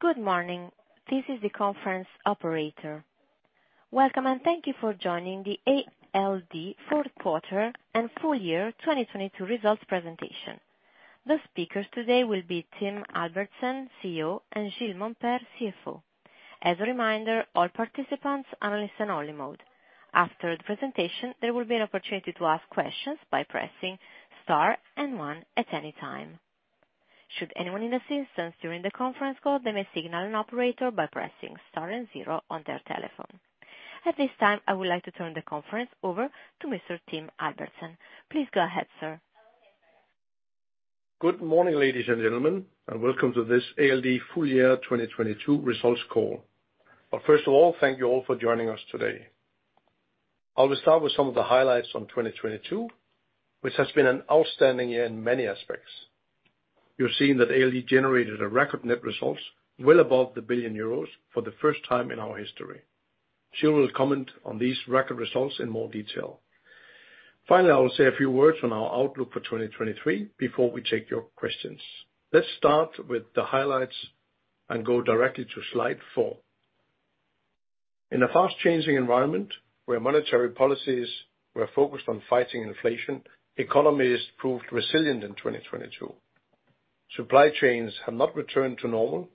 Good morning. This is the conference operator. Welcome, and thank you for joining the ALD fourth quarter and full year 2022 results presentation. The speakers today will be Tim Albertsen, CEO, and Gilles Momper, CFO. As a reminder, all participants are in listen-only mode. After the presentation, there will be an opportunity to ask questions by pressing star one at any time. Should anyone need assistance during the conference call, they may signal an operator by pressing star zero on their telephone. At this time, I would like to turn the conference over to Mr. Tim Albertsen. Please go ahead, sir. Good morning, ladies and gentlemen, welcome to this ALD full year 2022 results call. First of all, thank you all for joining us today. I will start with some of the highlights on 2022, which has been an outstanding year in many aspects. You're seeing that ALD generated a record net results well above 1 billion euros for the first time in our history. Gilles will comment on these record results in more detail. Finally, I will say a few words on our outlook for 2023 before we take your questions. Let's start with the highlights, go directly to slide four. In a fast changing environment, where monetary policies were focused on fighting inflation, economies proved resilient in 2022. Supply chains have not returned to normal,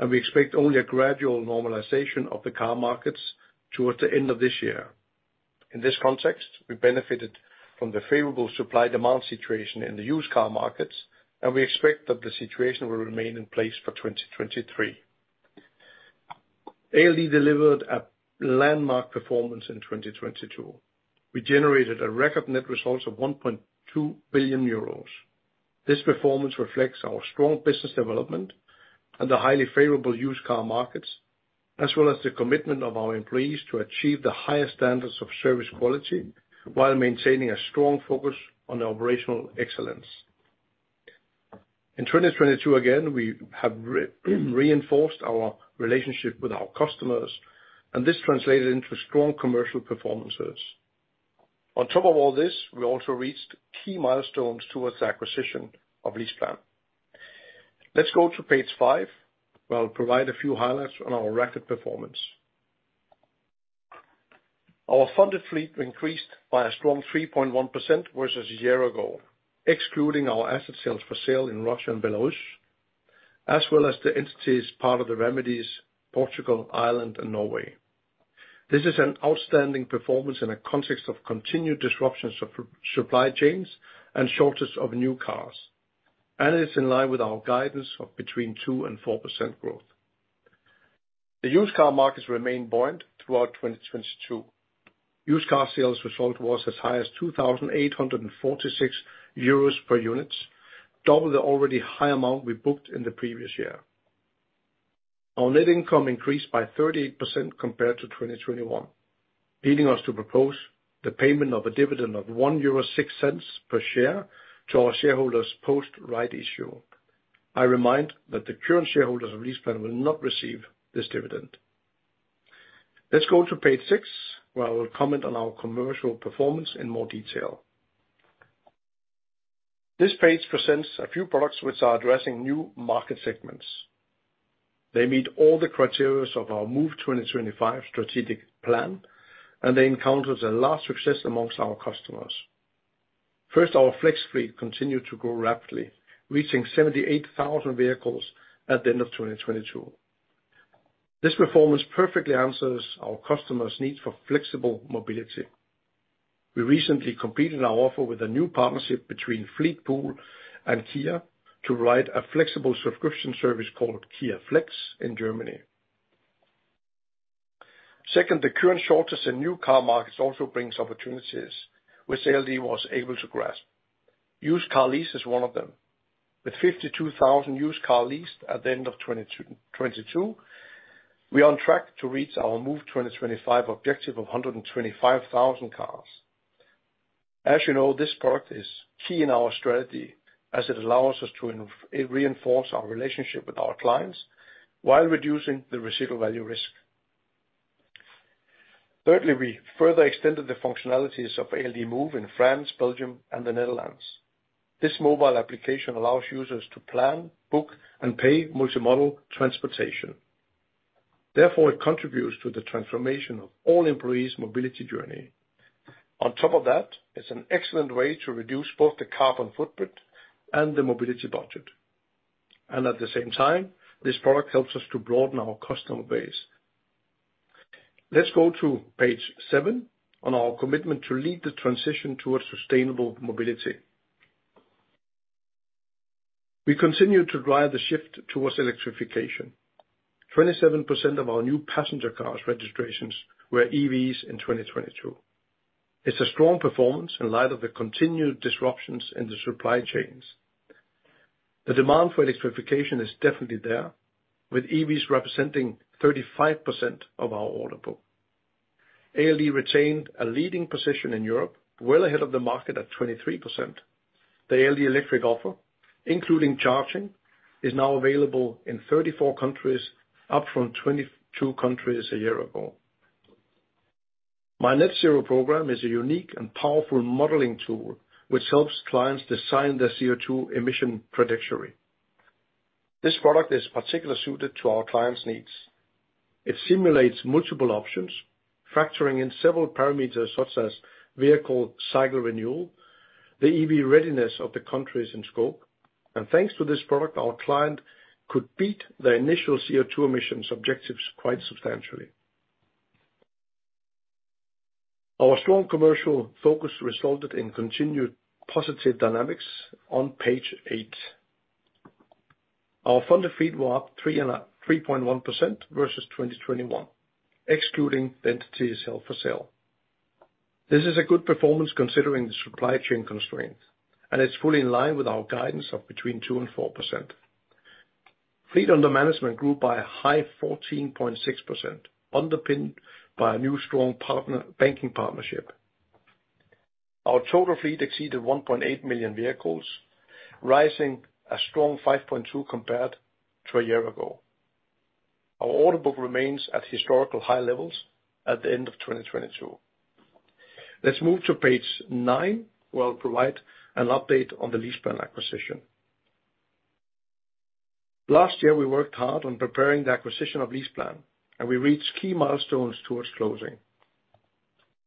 we expect only a gradual normalization of the car markets towards the end of this year. In this context, we benefited from the favorable supply demand situation in the used car markets, and we expect that the situation will remain in place for 2023. ALD delivered a landmark performance in 2022. We generated a record net results of 1.2 billion euros. This performance reflects our strong business development and the highly favorable used car markets, as well as the commitment of our employees to achieve the highest standards of service quality while maintaining a strong focus on operational excellence. In 2022, again, we have re-reinforced our relationship with our customers, and this translated into strong commercial performances. On top of all this, we also reached key milestones towards the acquisition of LeasePlan. Let's go to page five, where I'll provide a few highlights on our record performance. Our funded fleet increased by a strong 3.1% versus a year ago, excluding our asset sales for sale in Russia and Belarus, as well as the entities part of the remedies Portugal, Ireland, and Norway. This is an outstanding performance in a context of continued disruptions of supply chains and shortage of new cars, and it's in line with our guidance of between 2-4% growth. The used car markets remain buoyant throughout 2022. Used car sales result was as high as 2,846 euros per unit, double the already high amount we booked in the previous year. Our net income increased by 38% compared to 2021, leading us to propose the payment of a dividend of 1.06 euro per share to our shareholders post rights issue. I remind that the current shareholders of LeasePlan will not receive this dividend. Let's go to page 6, where I will comment on our commercial performance in more detail. This page presents a few products which are addressing new market segments. They meet all the criteria of our Move 2025 strategic plan, and they encountered a large success amongst our customers. First, our Flex Fleet continued to grow rapidly, reaching 78,000 vehicles at the end of 2022. This performance perfectly answers our customers' needs for flexible mobility. We recently completed our offer with a new partnership between FleetPool and Kia to provide a flexible subscription service called Kia Flex in Germany. Second, the current shortage in new car markets also brings opportunities, which ALD was able to grasp. Used car lease is one of them. With 52,000 used car leased at the end of 2022, we are on track to reach our Move 2025 objective of 125,000 cars. As you know, this product is key in our strategy as it allows us to reinforce our relationship with our clients while reducing the residual value risk. Thirdly, we further extended the functionalities of ALD Move in France, Belgium, and the Netherlands. This mobile application allows users to plan, book, and pay multi-modal transportation. It contributes to the transformation of all employees' mobility journey. On top of that, it's an excellent way to reduce both the carbon footprint and the mobility budget. At the same time, this product helps us to broaden our customer base. Let's go to page seven on our commitment to lead the transition towards sustainable mobility. We continue to drive the shift towards electrification. 27% of our new passenger cars registrations were EVs in 2022. It's a strong performance in light of the continued disruptions in the supply chains. The demand for electrification is definitely there, with EVs representing 35% of our order book. ALD retained a leading position in Europe, well ahead of the market at 23%. The ALD electric offer, including charging, is now available in 34 countries, up from 22 countries a year ago. My Net Zero program is a unique and powerful modeling tool which helps clients design their CO2 emission trajectory. This product is particularly suited to our clients' needs. It simulates multiple options, factoring in several parameters, such as vehicle cycle renewal, the EV readiness of the countries in scope. Thanks to this product, our client could beat the initial CO2 emissions objectives quite substantially. Our strong commercial focus resulted in continued positive dynamics on page eight. Our funded fleet were up 3.1% versus 2021, excluding the entities held for sale. This is a good performance considering the supply chain constraints, it's fully in line with our guidance of between 2% and 4%. Fleet under management grew by a high 14.6%, underpinned by a new strong partner, banking partnership. Our total fleet exceeded 1.8 million vehicles, rising a strong 5.2% compared to a year ago. Our order book remains at historical high levels at the end of 2022. Let's move to page 9, where I'll provide an update on the LeasePlan acquisition. Last year, we worked hard on preparing the acquisition of LeasePlan, we reached key milestones towards closing.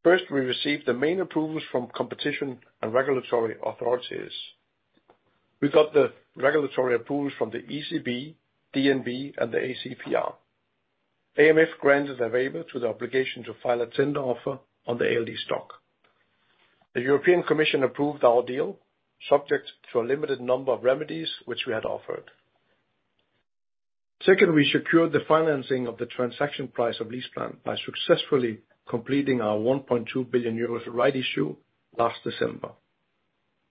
First, we received the main approvals from competition and regulatory authorities. We got the regulatory approvals from the ECB, DNB, and the ACPR. AMF granted a waiver to the obligation to file a tender offer on the ALD stock. The European Commission approved our deal, subject to a limited number of remedies which we had offered. Second, we secured the financing of the transaction price of LeasePlan by successfully completing our 1.2 billion euros right issue last December.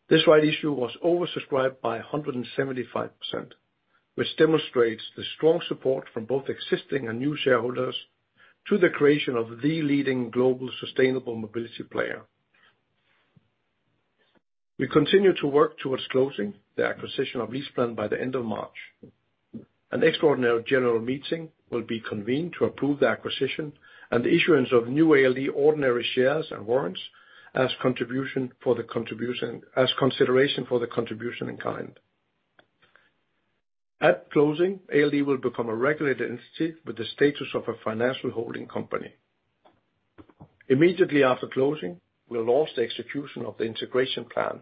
This right issue was oversubscribed by 175%, which demonstrates the strong support from both existing and new shareholders to the creation of the leading global sustainable mobility player. We continue to work towards closing the acquisition of LeasePlan by the end of March. An extraordinary general meeting will be convened to approve the acquisition and the issuance of new ALD ordinary shares and warrants as consideration for the contribution in kind. At closing, ALD will become a regulated entity with the status of a financial holding company. Immediately after closing, we'll launch the execution of the integration plan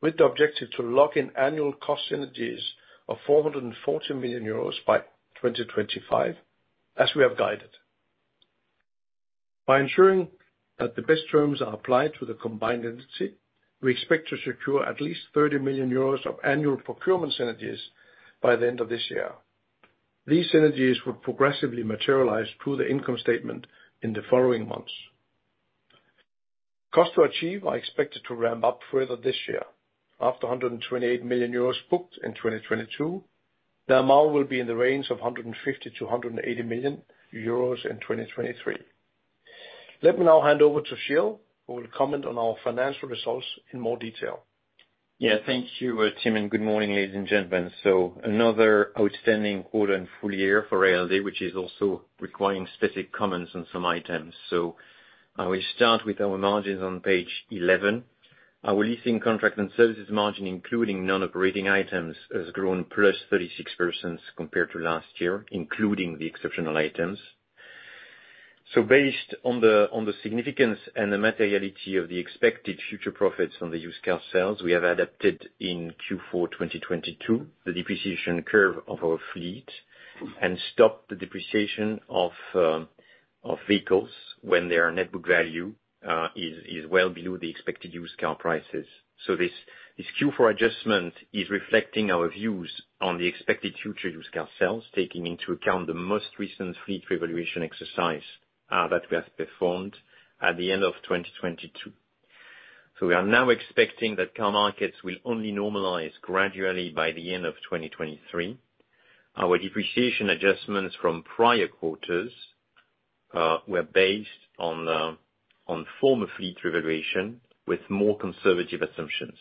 with the objective to lock in annual cost synergies of 440 million euros by 2025, as we have guided. By ensuring that the best terms are applied to the combined entity, we expect to secure at least 30 million euros of annual procurement synergies by the end of this year. These synergies will progressively materialize through the income statement in the following months. Cost to achieve are expected to ramp up further this year. After 128 million euros booked in 2022, the amount will be in the range of 150 million-180 million euros in 2023. Let me now hand over to Gilles, who will comment on our financial results in more detail. Yeah, thank you, Tim, and good morning, ladies and gentlemen. Another outstanding quarter and full year for ALD, which is also requiring specific comments on some items. We start with our margins on page 11. Our leasing contract and services margin, including non-operating items, has grown +36% compared to last year, including the exceptional items. Based on the significance and the materiality of the expected future profits on the used car sales, we have adapted in Q4 2022, the depreciation curve of our fleet and stopped the depreciation of vehicles when their net book value is well below the expected used car prices. This Q4 adjustment is reflecting our views on the expected future used car sales, taking into account the most recent fleet revaluation exercise that we have performed at the end of 2022. We are now expecting that car markets will only normalize gradually by the end of 2023. Our depreciation adjustments from prior quarters were based on former fleet revaluation with more conservative assumptions.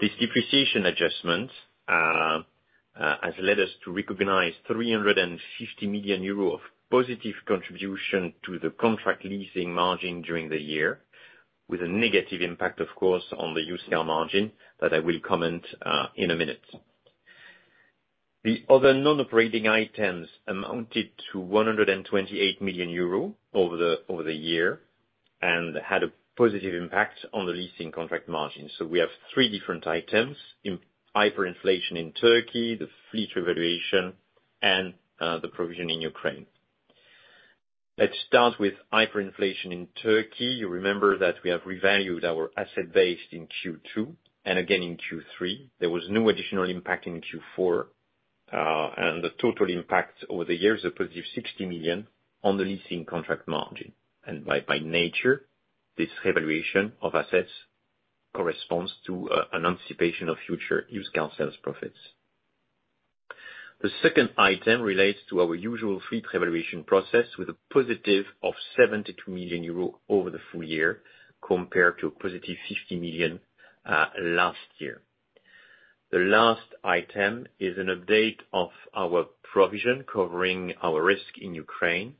This depreciation adjustment has led us to recognize 350 million euro of positive contribution to the contract leasing margin during the year, with a negative impact, of course, on the used car margin that I will comment in a minute. The other non-operating items amounted to 128 million euro over the year and had a positive impact on the leasing contract margin. We have three different items in hyperinflation in Turkey, the fleet revaluation, and the provision in Ukraine. Let's start with hyperinflation in Turkey. You remember that we have revalued our asset base in Q2 and again in Q3. There was no additional impact in Q4, and the total impact over the years, a positive 60 million on the leasing contract margin. By nature, this revaluation of assets corresponds to an anticipation of future used car sales profits. The second item relates to our usual fleet revaluation process, with a positive of 72 million euro over the full year, compared to a positive 50 million last year. The last item is an update of our provision covering our risk in Ukraine.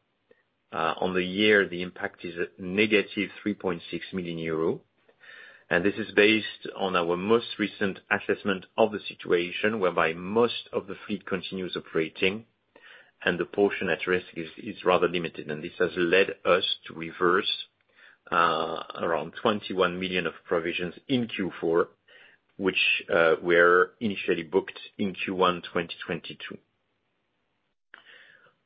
On the year, the impact is negative 3.6 million euro, this is based on our most recent assessment of the situation, whereby most of the fleet continues operating and the portion at risk is rather limited. This has led us to reverse around 21 million of provisions in Q4, which were initially booked in Q1, 2022.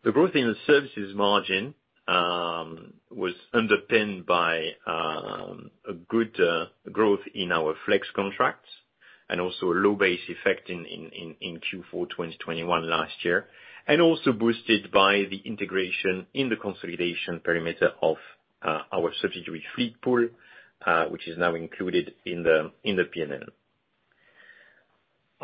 The growth in the services margin was underpinned by a good growth in our Flex contracts and also a low base effect in Q4, 2021 last year, also boosted by the integration in the consolidation perimeter of our subsidiary FleetPool, which is now included in the P&L.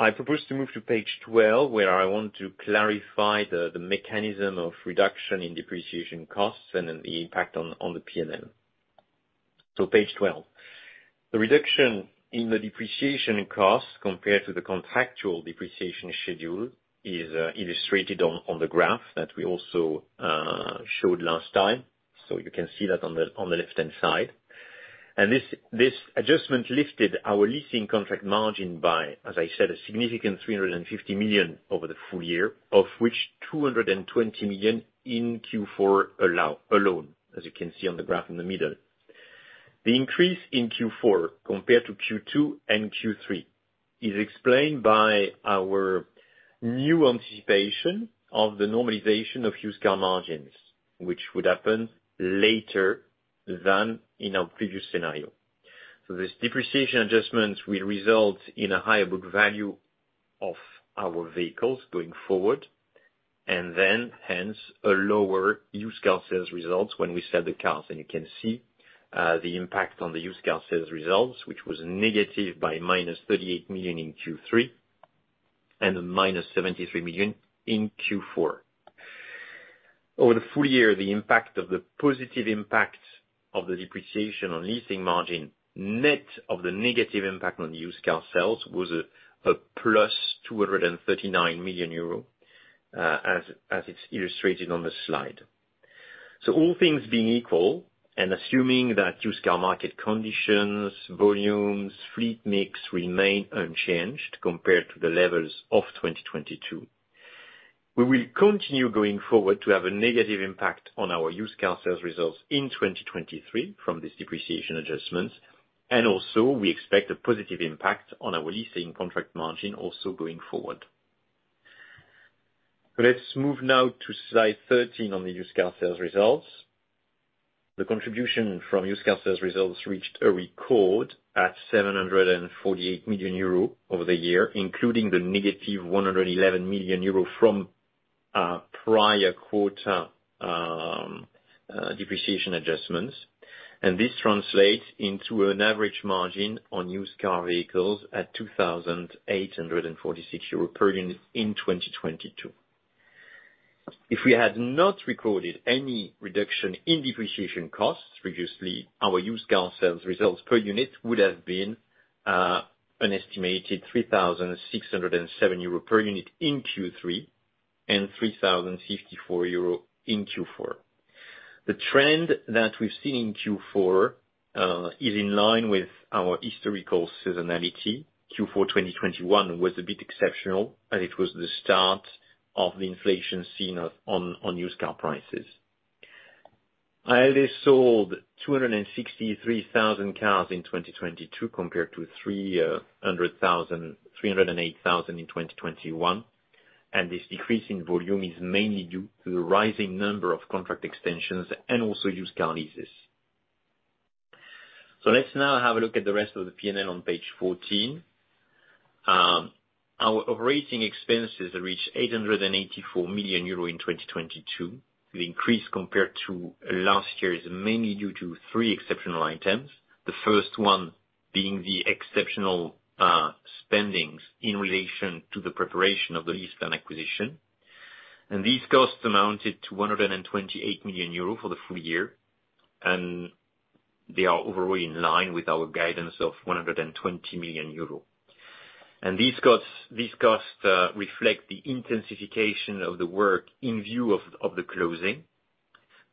I propose to move to page 12, where I want to clarify the mechanism of reduction in depreciation costs and then the impact on the P&L. Page 12. The reduction in the depreciation costs compared to the contractual depreciation schedule is illustrated on the graph that we also showed last time. You can see that on the left-hand side. This adjustment lifted our leasing contract margin by, as I said, a significant 350 million over the full year, of which 220 million in Q4 alone, as you can see on the graph in the middle. The increase in Q4 compared to Q2 and Q3 is explained by our new anticipation of the normalization of used car margins, which would happen later than in our previous scenario. This depreciation adjustment will result in a higher book value of our vehicles going forward, hence, a lower used car sales results when we sell the cars. You can see the impact on the used car sales results, which was negative by -38 million in Q3, and -73 million in Q4. Over the full year, the impact of the positive impact of the depreciation on leasing margin, net of the negative impact on used car sales was a +239 million euro, as it's illustrated on the slide. All things being equal, and assuming that used car market conditions, volumes, fleet mix remain unchanged compared to the levels of 2022, we will continue going forward to have a negative impact on our used car sales results in 2023 from this depreciation adjustment. Also we expect a positive impact on our leasing contract margin also going forward. Let's move now to slide 13 on the used car sales results. The contribution from used car sales results reached a record at 748 million euro over the year, including the negative 111 million euro from prior quarter depreciation adjustments. This translates into an average margin on used car vehicles at 2,846 euros per unit in 2022. If we had not recorded any reduction in depreciation costs previously, our used car sales results per unit would have been an estimated 3,607 euro per unit in Q3, and 3,054 euro in Q4. The trend that we've seen in Q4 is in line with our historical seasonality. Q4, 2021 was a bit exceptional, and it was the start of the inflation seen on used car prices. I only sold 263,000 cars in 2022 compared to 308,000 in 2021, and this decrease in volume is mainly due to the rising number of contract extensions and also used car leases. Let's now have a look at the rest of the P&L on page 14. Our operating expenses reached 884 million euro in 2022. The increase compared to last year is mainly due to three exceptional items. The first one being the exceptional spendings in relation to the preparation of the LeasePlan acquisition. These costs amounted to 128 million euro for the full year, and they are overall in line with our guidance of 120 million euro. These costs reflect the intensification of the work in view of the closing,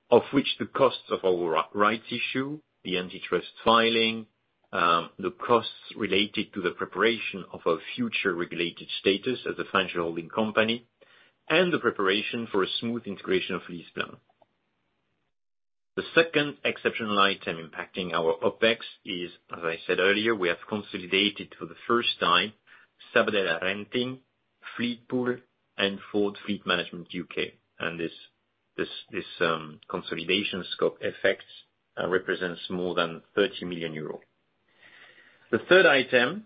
of which the costs of our rights issue, the antitrust filing, the costs related to the preparation of a future regulated status as a financial holding company, and the preparation for a smooth integration of LeasePlan. The second exceptional item impacting our OPEX is, as I said earlier, we have consolidated for the first time Sabadell Renting, FLEETCOR, and Ford Fleet Management UK. This consolidation scope effects represents more than 30 million euro. The third item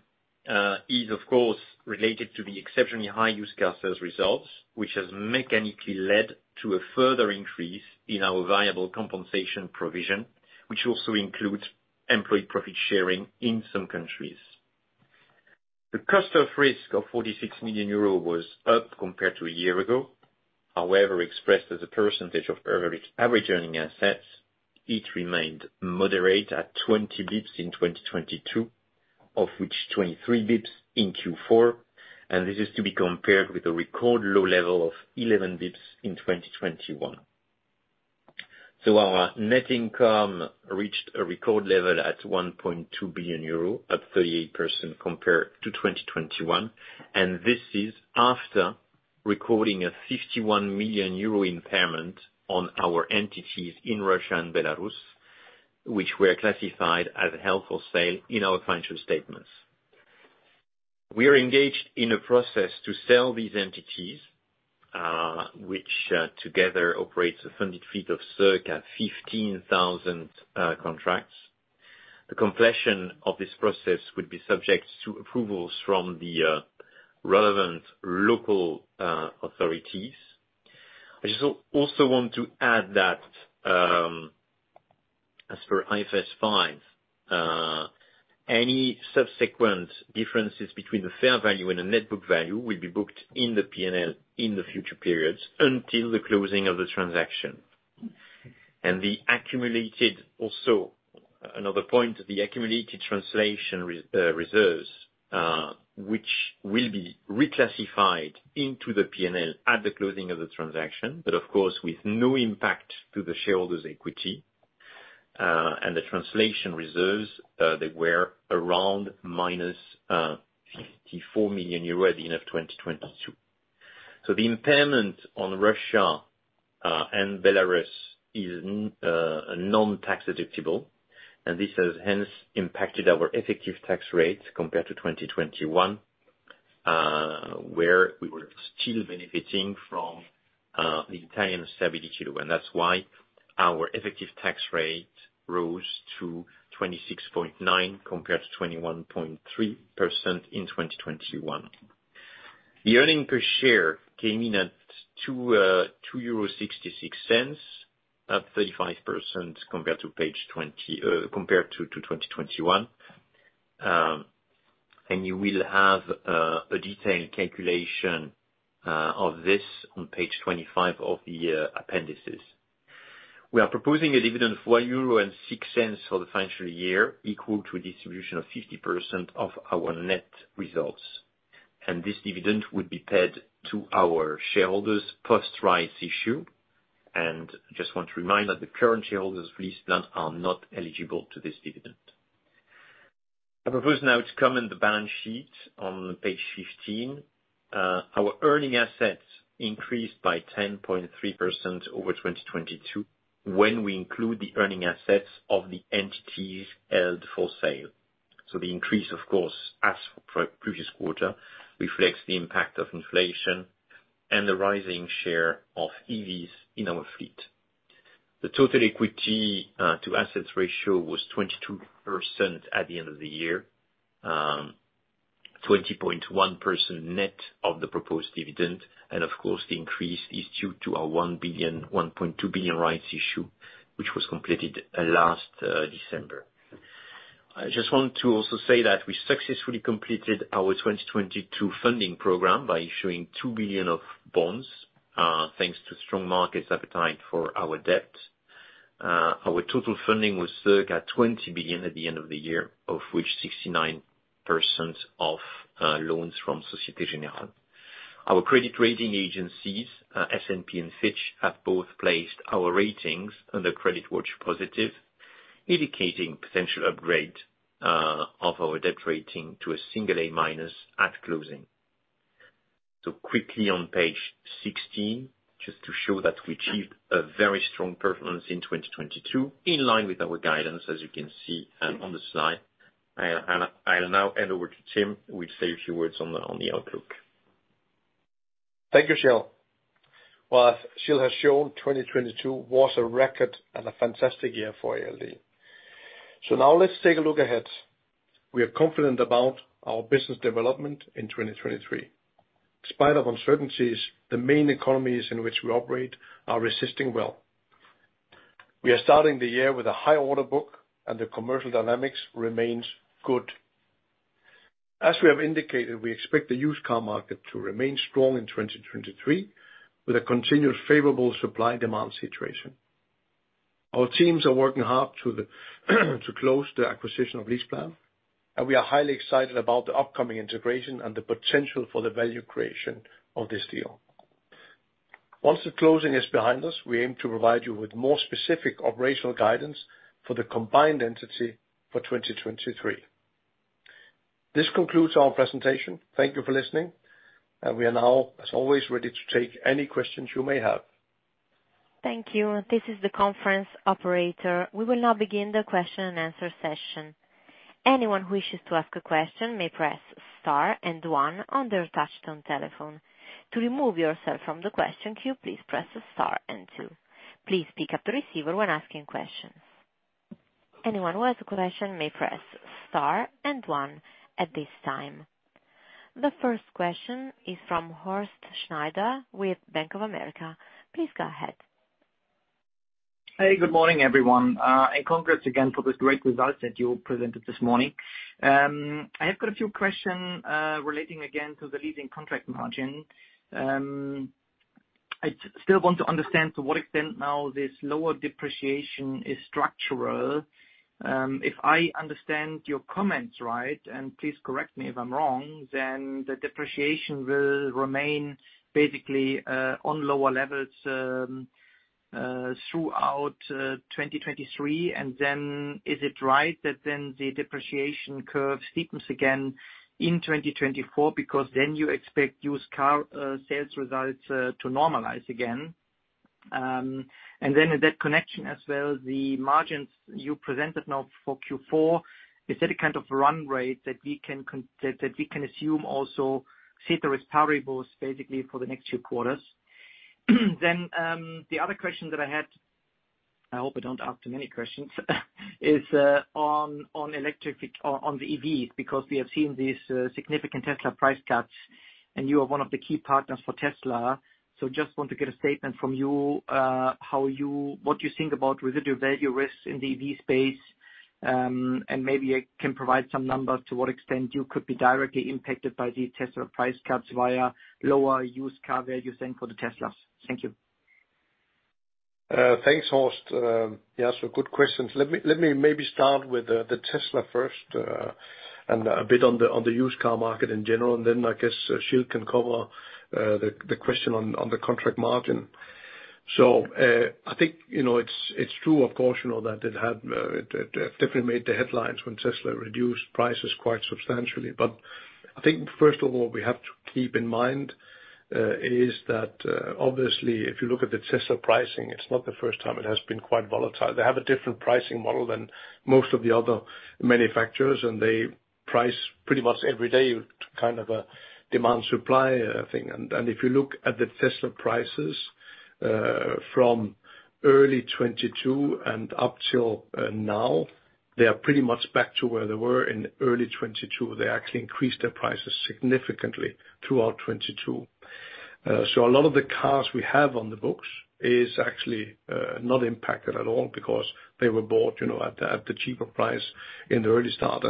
is of course related to the exceptionally high used car sales results, which has mechanically led to a further increase in our variable compensation provision, which also includes employee profit sharing in some countries. The cost of risk of 46 million euros was up compared to a year ago. Expressed as a percentage of average earning assets, it remained moderate at 20 BPS in 2022, of which 23 BPS in Q4, and this is to be compared with a record low level of 11 BPS in 2021. Our net income reached a record level at 1.2 billion euro, up 38% compared to 2021, and this is after recording a 51 million euro impairment on our entities in Russia and Belarus, which were classified as held for sale in our financial statements. We are engaged in a process to sell these entities, which together operates a funded fleet of circa 15,000 contracts. The completion of this process would be subject to approvals from the relevant local authorities. I just also want to add that, as per IFRS 5, any subsequent differences between the fair value and the net book value will be booked in the P&L in the future periods until the closing of the transaction. The accumulated also, another point, the accumulated translation reserves, which will be reclassified into the P&L at the closing of the transaction, but of course, with no impact to the shareholders' equity, and the translation reserves, they were around minus 54 million euro at the end of 2022. The impairment on Russia and Belarus is non-tax deductible, and this has hence impacted our effective tax rate compared to 2021, where we were still benefiting from the Italian Stability Shield, and that's why our effective tax rate rose to 26.9% compared to 21.3% in 2021. The earning per share came in at 2.66 euro, up 35% compared to 2021. You will have a detailed calculation of this on page 25 of the appendices. We are proposing a dividend of 1.06 euro for the financial year, equal to a distribution of 50% of our net results. This dividend would be paid to our shareholders post rights issue. Just want to remind that the current shareholders of LeasePlan are not eligible to this dividend. I propose now to comment the balance sheet on page 15. Our earning assets increased by 10.3% over 2022 when we include the earning assets of the entities held for sale. The increase, of course, as for previous quarter, reflects the impact of inflation and the rising share of EVs in our fleet. The total equity to assets ratio was 22% at the end of the year, 20.1% net of the proposed dividend, and of course, the increase is due to our 1.2 billion rights issue, which was completed last December. I just want to also say that we successfully completed our 2022 funding program by issuing 2 billion of bonds, thanks to strong markets appetite for our debt. Our total funding was circa 20 billion at the end of the year, of which 69% of loans from Société Générale. Our credit rating agencies, S&P and Fitch, have both placed our ratings under CreditWatch Positive, indicating potential upgrade of our debt rating to a single A- at closing. Quickly on page 16, just to show that we achieved a very strong performance in 2022, in line with our guidance, as you can see on the slide. I'll now hand over to Tim, who will say a few words on the outlook. Thank you, Gilles. Well, as Gilles has shown, 2022 was a record and a fantastic year for ALD. Now let's take a look ahead. We are confident about our business development in 2023. In spite of uncertainties, the main economies in which we operate are resisting well. We are starting the year with a high order book, and the commercial dynamics remains good. As we have indicated, we expect the used car market to remain strong in 2023, with a continued favorable supply-demand situation. Our teams are working hard to close the acquisition of LeasePlan, and we are highly excited about the upcoming integration and the potential for the value creation of this deal. Once the closing is behind us, we aim to provide you with more specific operational guidance for the combined entity for 2023. This concludes our presentation. Thank you for listening, and we are now, as always, ready to take any questions you may have. Thank you. This is the conference operator. We will now begin the question and answer session. Anyone who wishes to ask a question may press star and one on their touchtone telephone. To remove yourself from the question queue, please press star and two. Please pick up the receiver when asking questions. Anyone who has a question may press star and one at this time. The first question is from Horst Schneider with Bank of America. Please go ahead. Hey, good morning, everyone. Congrats again for the great results that you presented this morning. I still want to understand to what extent now this lower depreciation is structural. If I understand your comments right, and please correct me if I'm wrong, then the depreciation will remain basically on lower levels throughout 2023. Then is it right that then the depreciation curve steepens again in 2024 because then you expect used car sales results to normalize again? Then in that connection as well, the margins you presented now for Q4, is that a kind of run rate that we can assume also ceteris paribus basically for the next two quarters? The other question that I had, I hope I don't ask too many questions is, on electric, on the EVs, because we have seen these significant Tesla price cuts, and you are one of the key partners for Tesla. Just want to get a statement from you, what you think about residual value risks in the EV space, and maybe you can provide some numbers to what extent you could be directly impacted by the Tesla price cuts via lower used car values then for the Teslas. Thank you. Thanks, Horst. Yeah. Good questions. Let me maybe start with the Tesla first, and a bit on the used car market in general, and then I guess Gilles can cover the question on the contract margin. I think, you know, it's true, of course, you know, that it had definitely made the headlines when Tesla reduced prices quite substantially. I think first of all, we have to keep in mind is that, obviously, if you look at the Tesla pricing, it's not the first time it has been quite volatile. They have a different pricing model than most of the other manufacturers, and they price pretty much every day kind of a demand supply thing. If you look at the Tesla prices, from early 2022 and up till now, they are pretty much back to where they were in early 2022. They actually increased their prices significantly throughout 2022. So a lot of the cars we have on the books is actually not impacted at all because they were bought, you know, at the cheaper price in the early start.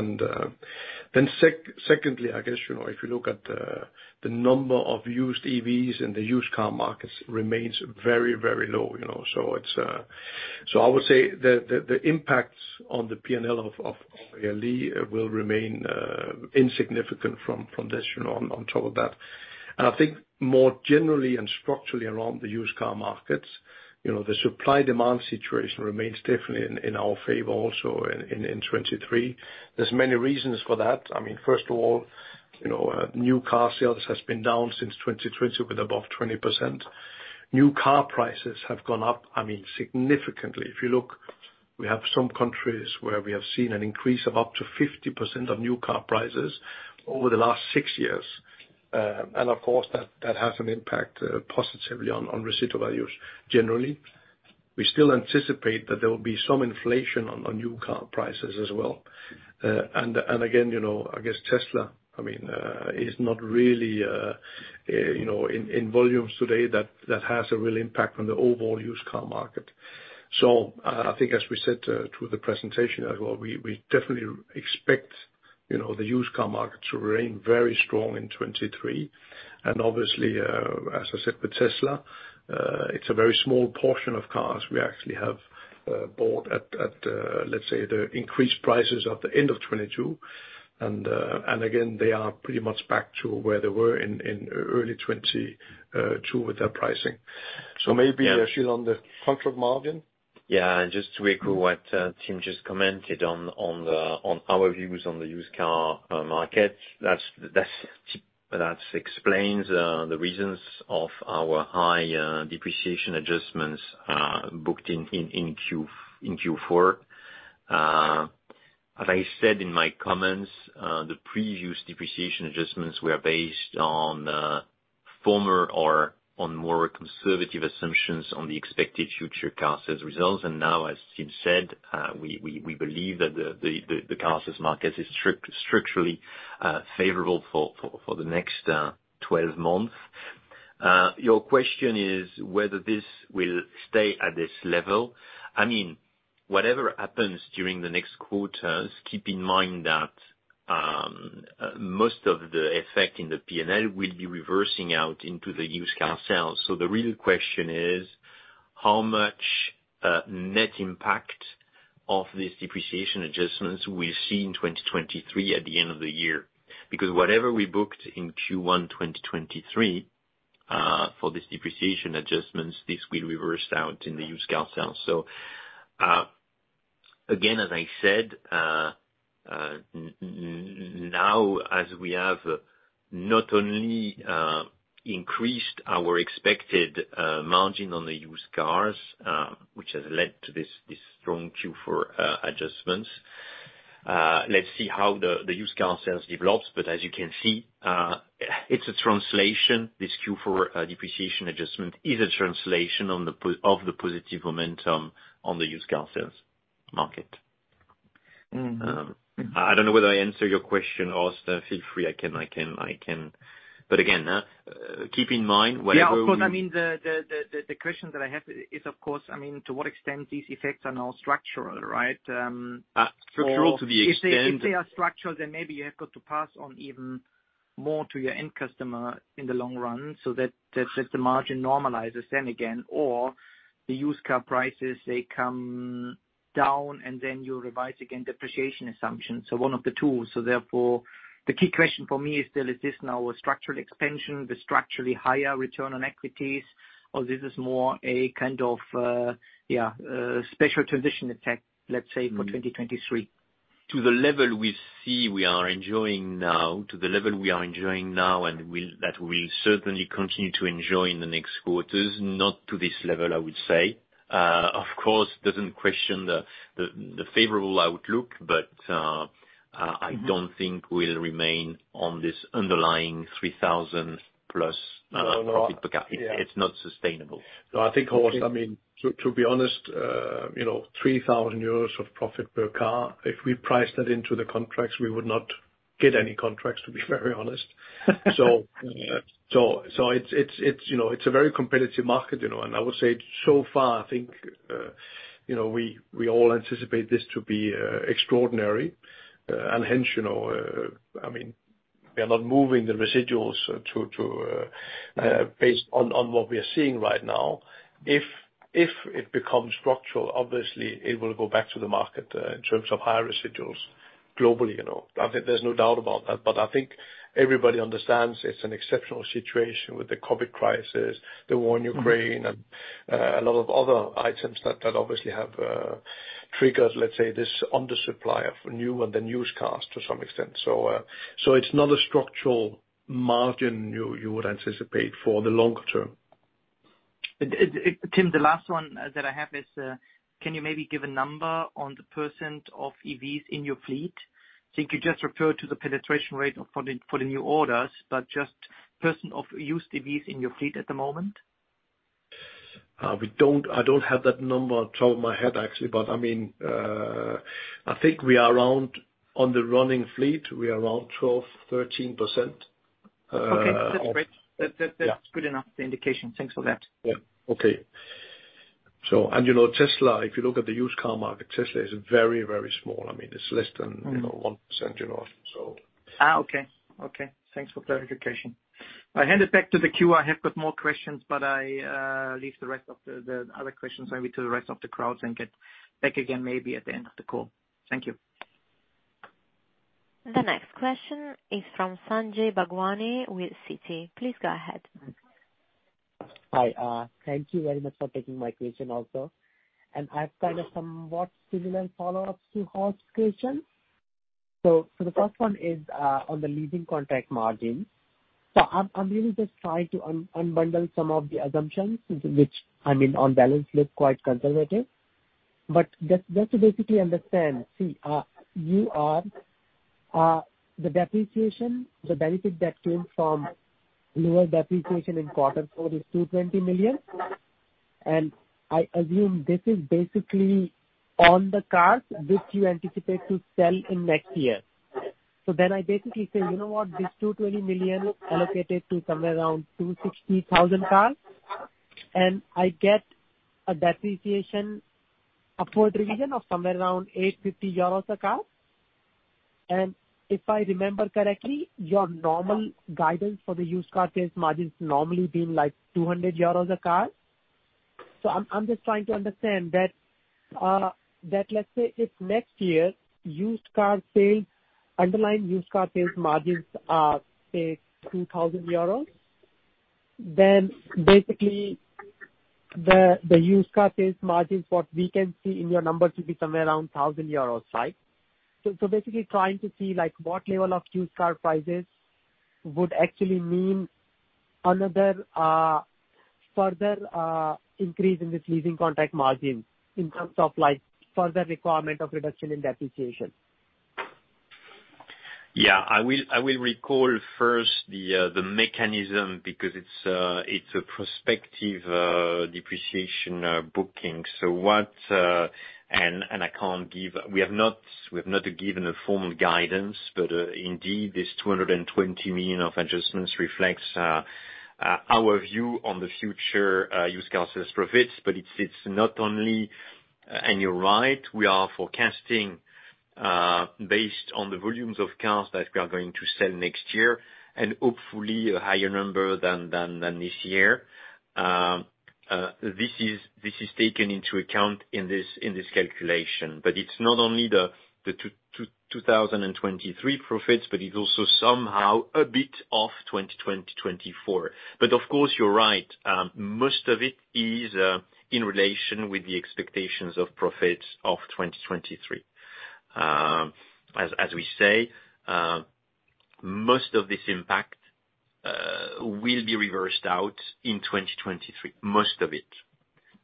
Secondly, I guess, you know, if you look at the number of used EVs in the used car markets remains very, very low, you know. It's so I would say the impacts on the P&L of LE will remain insignificant from this, you know, on top of that. I think more generally and structurally around the used car markets, you know, the supply demand situation remains definitely in our favor also in 2023. There's many reasons for that. I mean, first of all, you know, new car sales has been down since 2020 with above 20%. New car prices have gone up, I mean, significantly. If you look, we have some countries where we have seen an increase of up to 50% on new car prices over the last 6 years. Of course, that has an impact positively on residual values generally. We still anticipate that there will be some inflation on new car prices as well. And again, you know, I guess Tesla, I mean, is not really, you know, in volumes today that has a real impact on the overall used car market. I think as we said through the presentation as well, we definitely expect, you know, the used car market to remain very strong in 2023. Obviously, as I said with Tesla, it's a very small portion of cars we actually have bought at, let's say, the increased prices at the end of 2022. Again, they are pretty much back to where they were in early 2022 with their pricing. Maybe Gilles, on the contract margin. Just to echo what Tim just commented on our views on the used car market, that explains the reasons of our high depreciation adjustments booked in Q4. As I said in my comments, the previous depreciation adjustments were based on former or on more conservative assumptions on the expected future car sales results. Now, as Tim said, we believe that the car sales market is structurally favorable for the next 12 months. Your question is whether this will stay at this level. I mean, whatever happens during the next quarters, keep in mind that most of the effect in the P&L will be reversing out into the used car sales. The real question is how much net impact of these depreciation adjustments we'll see in 2023 at the end of the year. Because whatever we booked in Q1 2023, for these depreciation adjustments, this will reverse out in the used car sales. Again, as I said, now, as we have not only increased our expected margin on the used cars, which has led to this strong Q4, adjustments, let's see how the used car sales develops. As you can see, it's a translation. This Q4, depreciation adjustment is a translation on the of the positive momentum on the used car sales market. I don't know whether I answer your question, Horst. Feel free, I can. Again, keep in mind wherever we Of course. I mean, the question that I have is of course, I mean, to what extent these effects are now structural, right? structural to the extent- If they are structural, then maybe you have got to pass on even more to your end customer in the long run, so that the margin normalizes then again, or the used car prices, they come down and then you revise again depreciation assumptions. One of the two. Therefore the key question for me is still, is this now a structural expansion, the structurally higher return on equities, or this is more a kind of special transition effect, let's say, for 2023? To the level we are enjoying now that we'll certainly continue to enjoy in the next quarters, not to this level, I would say. Of course doesn't question the favorable outlook, I don't think we'll remain on this underlying 3,000 plus profit per car. No. Yeah. It's not sustainable. I think, Horst, I mean, to be honest, you know, 3,000 euros of profit per car, if we priced that into the contracts, we would not get any contracts, to be very honest. It's, you know, it's a very competitive market, you know. I would say so far I think, you know, we all anticipate this to be extraordinary. Hence, you know, I mean, we are not moving the residuals to, based on what we are seeing right now. If it becomes structural, obviously it will go back to the market, in terms of higher residuals globally, you know. I think there's no doubt about that. I think everybody understands it's an exceptional situation with the COVID crisis, the war in Ukraine. Mm-hmm. A lot of other items that obviously have, triggered, let's say, this undersupply of new and the used cars to some extent. It's not a structural margin you would anticipate for the longer term. Tim, the last one that I have is, can you maybe give a number on the percentage of EVs in your fleet? I think you just referred to the penetration rate for the new orders, but just percentage of used EVs in your fleet at the moment. I don't have that number off the top of my head actually. I mean, I think we are around, on the running fleet, we are around 12%, 13%. Okay, that's great. Yeah. That's good enough indication. Thanks for that. Yeah. Okay. You know Tesla, if you look at the used car market, Tesla is very, very small. I mean, it's less than. Mm-hmm. -you know, one percent, you know, so. Okay. Okay. Thanks for clarification. I hand it back to the queue. I have got more questions. I leave the rest of the other questions maybe to the rest of the crowd and get back again maybe at the end of the call. Thank you. The next question is from Sanjay Bhagwani with Citi. Please go ahead. Hi. Thank you very much for taking my question also. I have kind of somewhat similar follow-ups to Horst's question. The first one is on the leasing contract margin. I'm really just trying to unbundle some of the assumptions, which, I mean, on balance look quite conservative. Just to basically understand, see, you are the depreciation, the benefit that came from lower depreciation in Q4 is 220 million. I assume this is basically on the cars which you anticipate to sell in next year. I basically say, you know what? This 220 million allocated to somewhere around 260,000 cars, and I get a depreciation upward revision of somewhere around 850 euros a car. If I remember correctly, your normal guidance for the used car sales margin is normally been like 200 euros a car. I'm just trying to understand that let's say if next year used car sales, underlying used car sales margins are, say, 2,000 euros, then basically the used car sales margin, what we can see in your numbers should be somewhere around 1,000 euros, right? Basically trying to see like what level of used car prices would actually mean another further increase in this leasing contract margin in terms of like further requirement of reduction in depreciation. Yeah. I will recall first the mechanism because it's a prospective depreciation booking. We have not given a formal guidance, but indeed, this 220 million of adjustments reflects our view on the future used car sales profits. It's not only, and you're right, we are forecasting based on the volumes of cars that we are going to sell next year, and hopefully a higher number than this year. This is taken into account in this calculation. It's not only the 2023 profits, but it's also somehow a bit of 2024. Of course you're right, most of it is in relation with the expectations of profits of 2023. As we say, most of this impact will be reversed out in 2023. Most of it.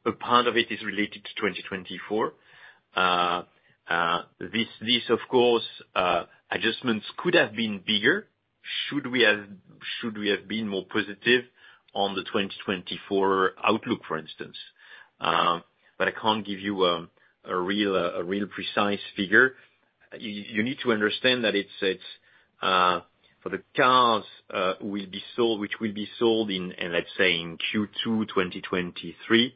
A part of it is related to 2024. This of course, adjustments could have been bigger, should we have been more positive on the 2024 outlook, for instance. I can't give you a real precise figure. You need to understand that it sits for the cars will be sold, which will be sold in, let's say in Q2 2023,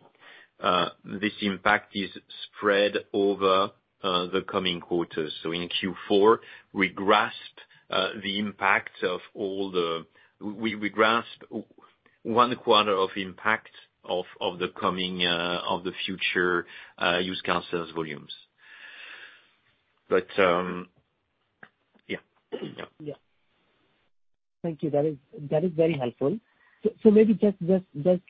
this impact is spread over the coming quarters. In Q4, we grasped the impact of all the... We grasped one quarter of impact of the coming of the future used car sales volumes. Yeah. Yeah. Thank you. That is very helpful. Maybe just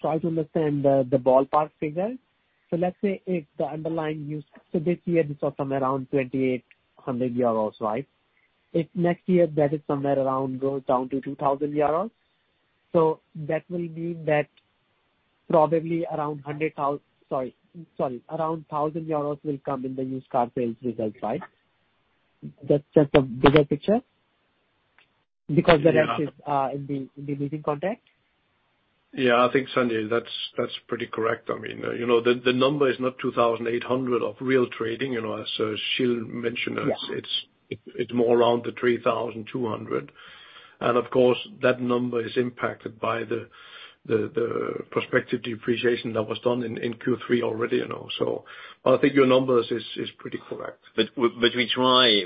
try to understand the ballpark figure. Let's say if the underlying use for this year is saw somewhere around 2,800 euros, right? If next year that is somewhere around goes down to 2,000 euros. That will mean that probably around 1,000 euros will come in the used car sales results, right? That's just a bigger picture because that is in the meeting context. Yeah, I think, Sanjay, that's pretty correct. I mean, you know, the number is not 2,800 of real trading, you know, as Gilles mentioned. Yeah It's more around the 3,200. Of course, that number is impacted by the prospective depreciation that was done in Q3 already, you know. But I think your numbers is pretty correct. We try,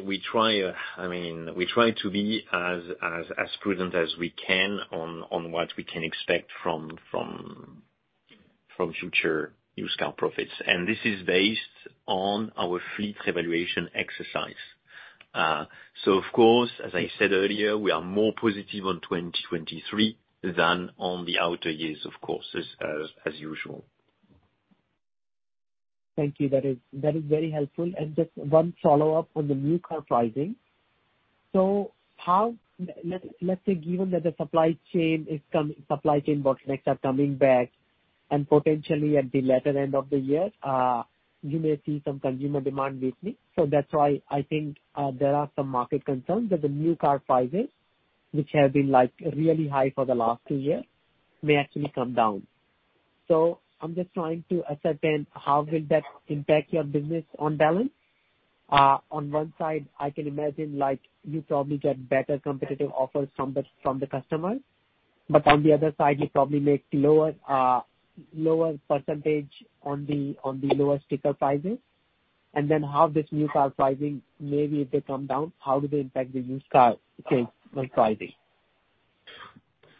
I mean, we try to be as prudent as we can on what we can expect from future used car profits. This is based on our fleet evaluation exercise. Of course, as I said earlier, we are more positive on 2023 than on the outer years, of course, as usual. Thank you. That is very helpful. Just one follow-up on the new car pricing. Let's say given that the supply chain bottlenecks are coming back, and potentially at the latter end of the year, you may see some consumer demand weakening. That's why I think there are some market concerns that the new car prices, which have been, like, really high for the last two years, may actually come down. I'm just trying to ascertain how will that impact your business on balance. On one side, I can imagine, like, you probably get better competitive offers from the customers. On the other side, you probably make lower percentage on the lower sticker prices. How this new car pricing, maybe if they come down, how do they impact the used car, like, pricing?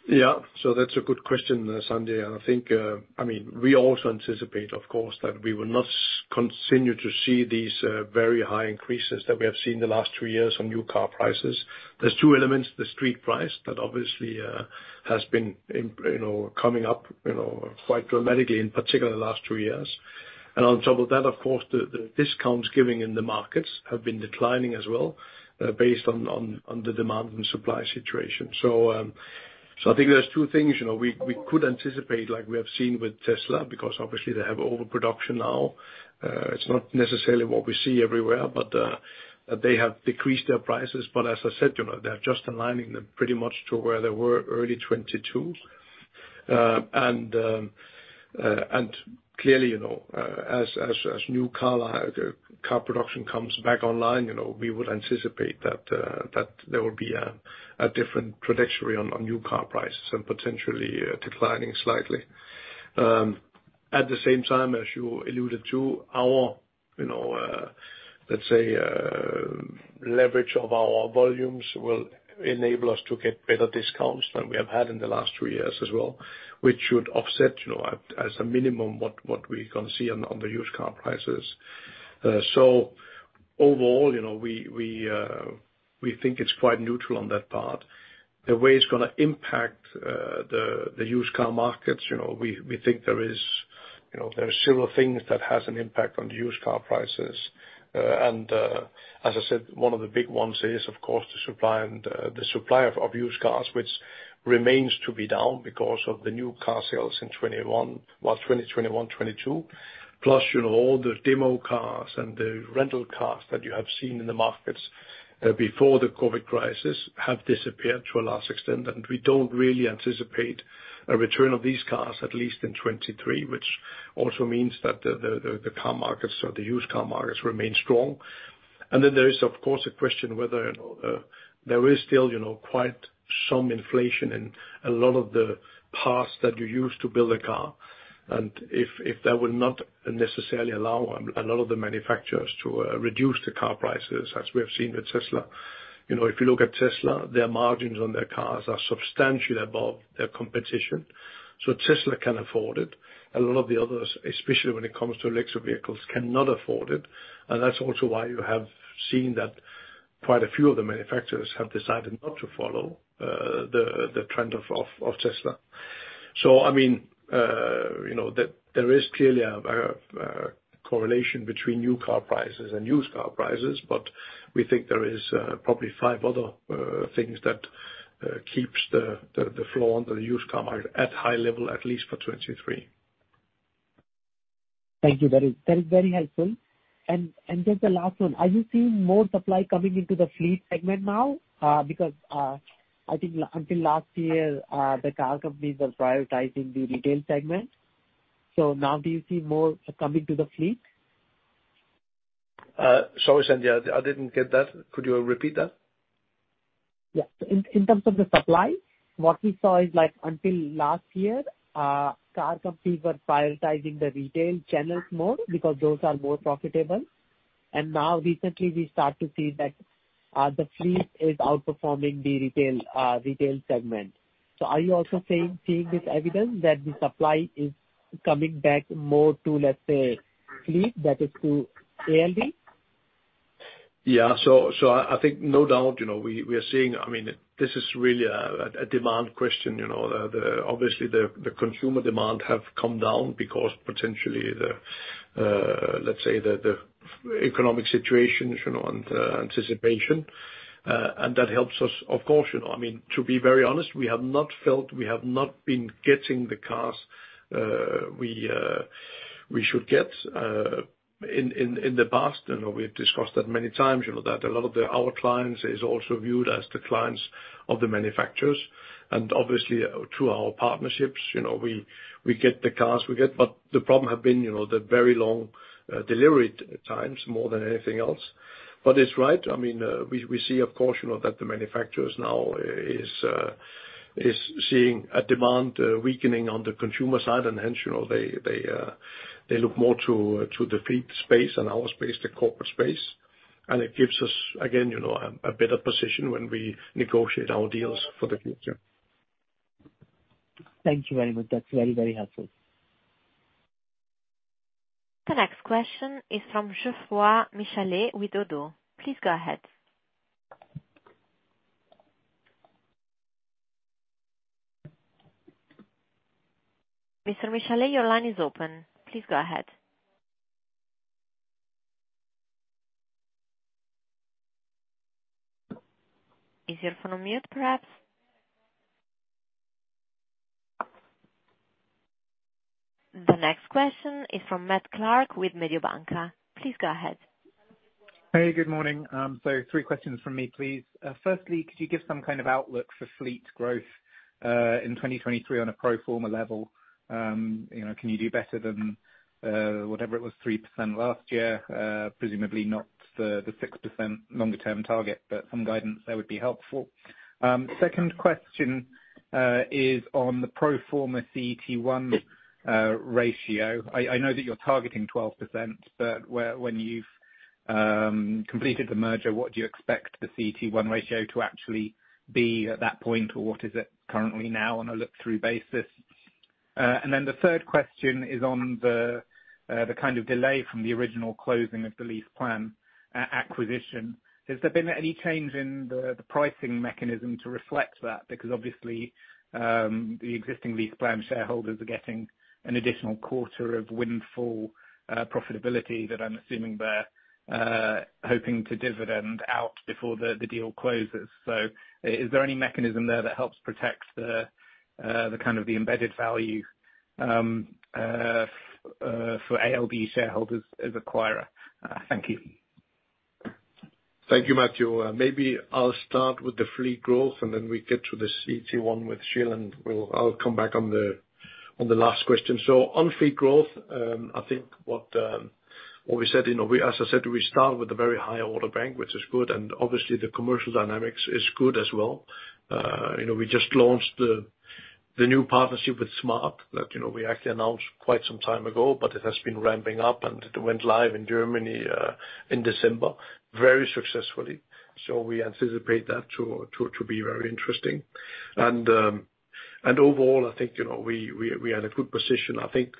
Yeah. That's a good question, Sanjay. I think, I mean, we also anticipate, of course, that we will not continue to see these very high increases that we have seen the last two years on new car prices. There's two elements, the street price that obviously, you know, coming up, you know, quite dramatically, in particular the last two years. On top of that, of course, the discounts given in the markets have been declining as well, based on the demand and supply situation. I think there's two things, you know, we could anticipate like we have seen with Tesla, because obviously they have overproduction now. It's not necessarily what we see everywhere, but they have decreased their prices. As I said, you know, they're just aligning them pretty much to where they were early 2022. Clearly, you know, as new car production comes back online, you know, we would anticipate that there will be a different trajectory on new car prices and potentially declining slightly. At the same time, as you alluded to, our, you know, let's say, leverage of our volumes will enable us to get better discounts than we have had in the last three years as well, which should offset, you know, as a minimum, what we can see on the used car prices. Overall, you know, we think it's quite neutral on that part. The way it's gonna impact the used car markets, you know, we think there is, you know, there are several things that has an impact on the used car prices. As I said, one of the big ones is, of course, the supply and the supply of used cars, which remains to be down because of the new car sales in 2021, 2022. Plus, you know, all the demo cars and the rental cars that you have seen in the markets before the COVID crisis have disappeared to a large extent. We don't really anticipate a return of these cars, at least in 2023, which also means that the car markets or the used car markets remain strong. There is, of course, a question whether, you know, there is still, you know, quite some inflation in a lot of the parts that you use to build a car. If that will not necessarily allow a lot of the manufacturers to reduce the car prices, as we have seen with Tesla. You know, if you look at Tesla, their margins on their cars are substantially above their competition. Tesla can afford it. A lot of the others, especially when it comes to electric vehicles, cannot afford it. That's also why you have seen that quite a few of the manufacturers have decided not to follow the trend of Tesla. I mean, you know, there is clearly a correlation between new car prices and used car prices, we think there is probably five other things that keeps the flow on the used car market at high level, at least for 2023. Thank you. That is very helpful. Just the last one, are you seeing more supply coming into the fleet segment now? Because I think until last year, the car companies were prioritizing the retail segment. Now do you see more coming to the fleet? Sorry, Sanjay. I didn't get that. Could you repeat that? Yeah. In terms of the supply, what we saw is like until last year, car companies were prioritizing the retail channels more because those are more profitable. Now recently we start to see that the fleet is outperforming the retail segment. Are you also seeing this evidence that the supply is coming back more to, let's say, fleet, that is to ALD? I think no doubt, you know, we are seeing. I mean, this is really a demand question, you know. The obviously the consumer demand have come down because potentially the, let's say the economic situation, you know, and, anticipation, and that helps us, of course, you know. I mean, to be very honest, we have not felt we have not been getting the cars, we should get. In the past, you know, we have discussed that many times, you know, that a lot of the, our clients is also viewed as the clients of the manufacturers, and obviously through our partnerships, you know, we get the cars we get. The problem have been, you know, the very long, delivery times more than anything else. It's right. I mean, we see of course, you know, that the manufacturers now is seeing a demand weakening on the consumer side. Hence, you know, they look more to the fleet space and our space, the corporate space. It gives us again, you know, a better position when we negotiate our deals for the future. Thank you very much. That's very, very helpful. The next question is from Geoffroy Michalet with Oddo. Please go ahead. Mr. Michalet, your line is open. Please go ahead. Is your phone on mute perhaps? The next question is from Matt Clark with Mediobanca. Please go ahead. Good morning. Three questions from me, please. Firstly, could you give some kind of outlook for fleet growth in 2023 on a pro forma level? You know, can you do better than whatever it was, 3% last year? Presumably not the 6% longer term target, but some guidance there would be helpful. Second question is on the pro forma CET1 ratio. I know that you're targeting 12%, but when you've completed the merger, what do you expect the CET1 ratio to actually be at that point? Or what is it currently now on a look-through basis? The third question is on the kind of delay from the original closing of the LeasePlan acquisition. Has there been any change in the pricing mechanism to reflect that? Obviously, the existing LeasePlan shareholders are getting an additional quarter of windfall profitability that I'm assuming they're hoping to dividend out before the deal closes. Is there any mechanism there that helps protect the kind of the embedded value for ALD shareholders as acquirer? Thank you. Thank you, Matthew. Maybe I'll start with the fleet growth and then we get to the CET1 with Gilles, I'll come back on the last question. On fleet growth, I think what we said, you know, as I said, we start with a very high order bank, which is good, and obviously the commercial dynamics is good as well. You know, we just launched the new partnership with SMAP that, you know, we actually announced quite some time ago, but it has been ramping up, and it went live in Germany in December very successfully. We anticipate that to be very interesting. Overall, I think, you know, we are in a good position. I think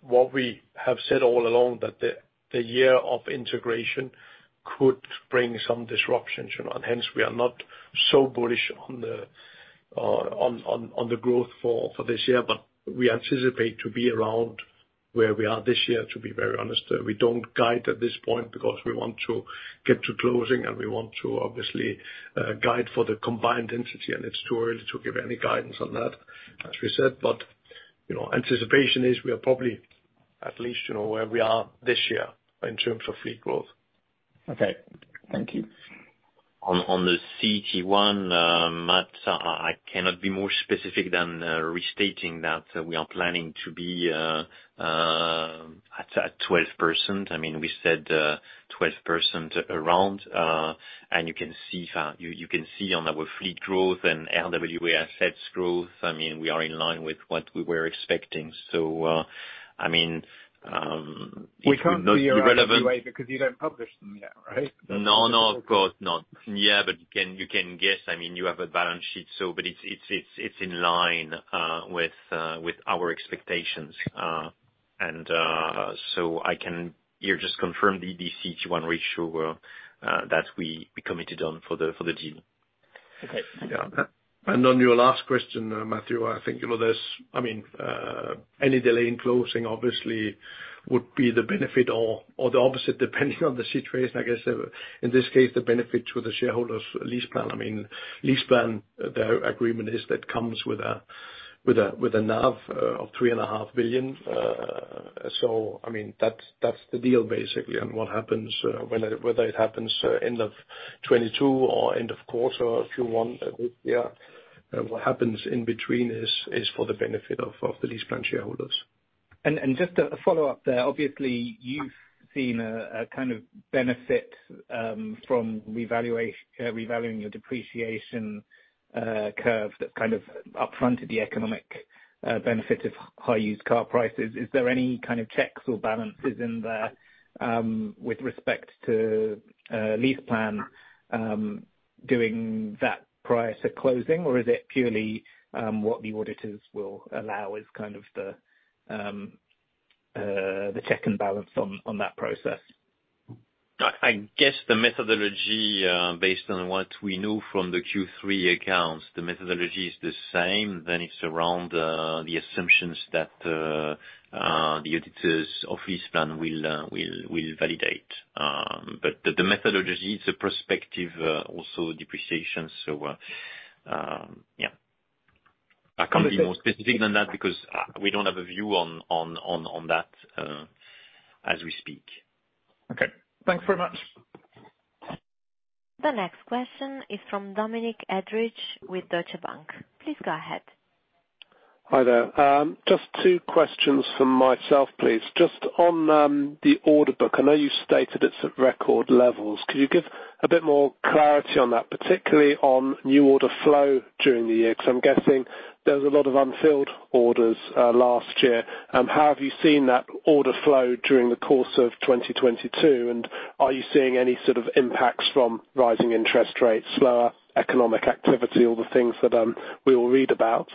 what we have said all along, that the year of integration could bring some disruptions, you know, and hence we are not so bullish on the growth for this year. We anticipate to be around where we are this year, to be very honest. We don't guide at this point because we want to get to closing, and we want to obviously guide for the combined entity, and it's too early to give any guidance on that, as we said. You know, anticipation is we are probably at least, you know, where we are this year in terms of fleet growth. Okay. Thank you. On the CET1, Matt, I cannot be more specific than restating that we are planning to be at 12%. I mean, we said 12% around, and you can see on our fleet growth and RWA assets growth, I mean, we are in line with what we were expecting. I mean, it will. We can't see your RWAs because you don't publish them yet, right? No, no, of course not. You can guess. I mean, you have a balance sheet, it's in line with our expectations. I can here just confirm the CET1 ratio that we committed on for the deal. Okay. Yeah. And on your last question, Matt Clark, I think you know this, I mean, any delay in closing obviously would be the benefit or the opposite, depending on the situation, I guess. In this case, the benefit to the shareholders LeasePlan. I mean, LeasePlan, the agreement is that comes with a NAV of three and a half billion. I mean that's the deal basically on what happens, whether it happens end of 2022 or end of quarter if you want this year. What happens in between is for the benefit of the LeasePlan shareholders. Just a follow-up there. Obviously, you've seen a kind of benefit from revaluing your depreciation curve that kind of upfronted the economic benefit of high used car prices. Is there any kind of checks or balances in there with respect to LeasePlan doing that prior to closing, or is it purely what the auditors will allow is kind of the check and balance on that process? I guess the methodology, based on what we know from the Q3 accounts, the methodology is the same. It's around the assumptions that the auditors of LeasePlan will validate. The methodology is a prospective also depreciation. Yeah. I can't be more specific than that because we don't have a view on that as we speak. Okay. Thanks very much. The next question is from Dominic Edridge with Deutsche Bank. Please go ahead. Hi there. Just two questions from myself, please. Just on the order book, I know you stated it's at record levels. Could you give a bit more clarity on that, particularly on new order flow during the year? Because I'm guessing there was a lot of unfilled orders last year. How have you seen that order flow during the course of 2022, and are you seeing any sort of impacts from rising interest rates, slower economic activity, all the things that we all read about?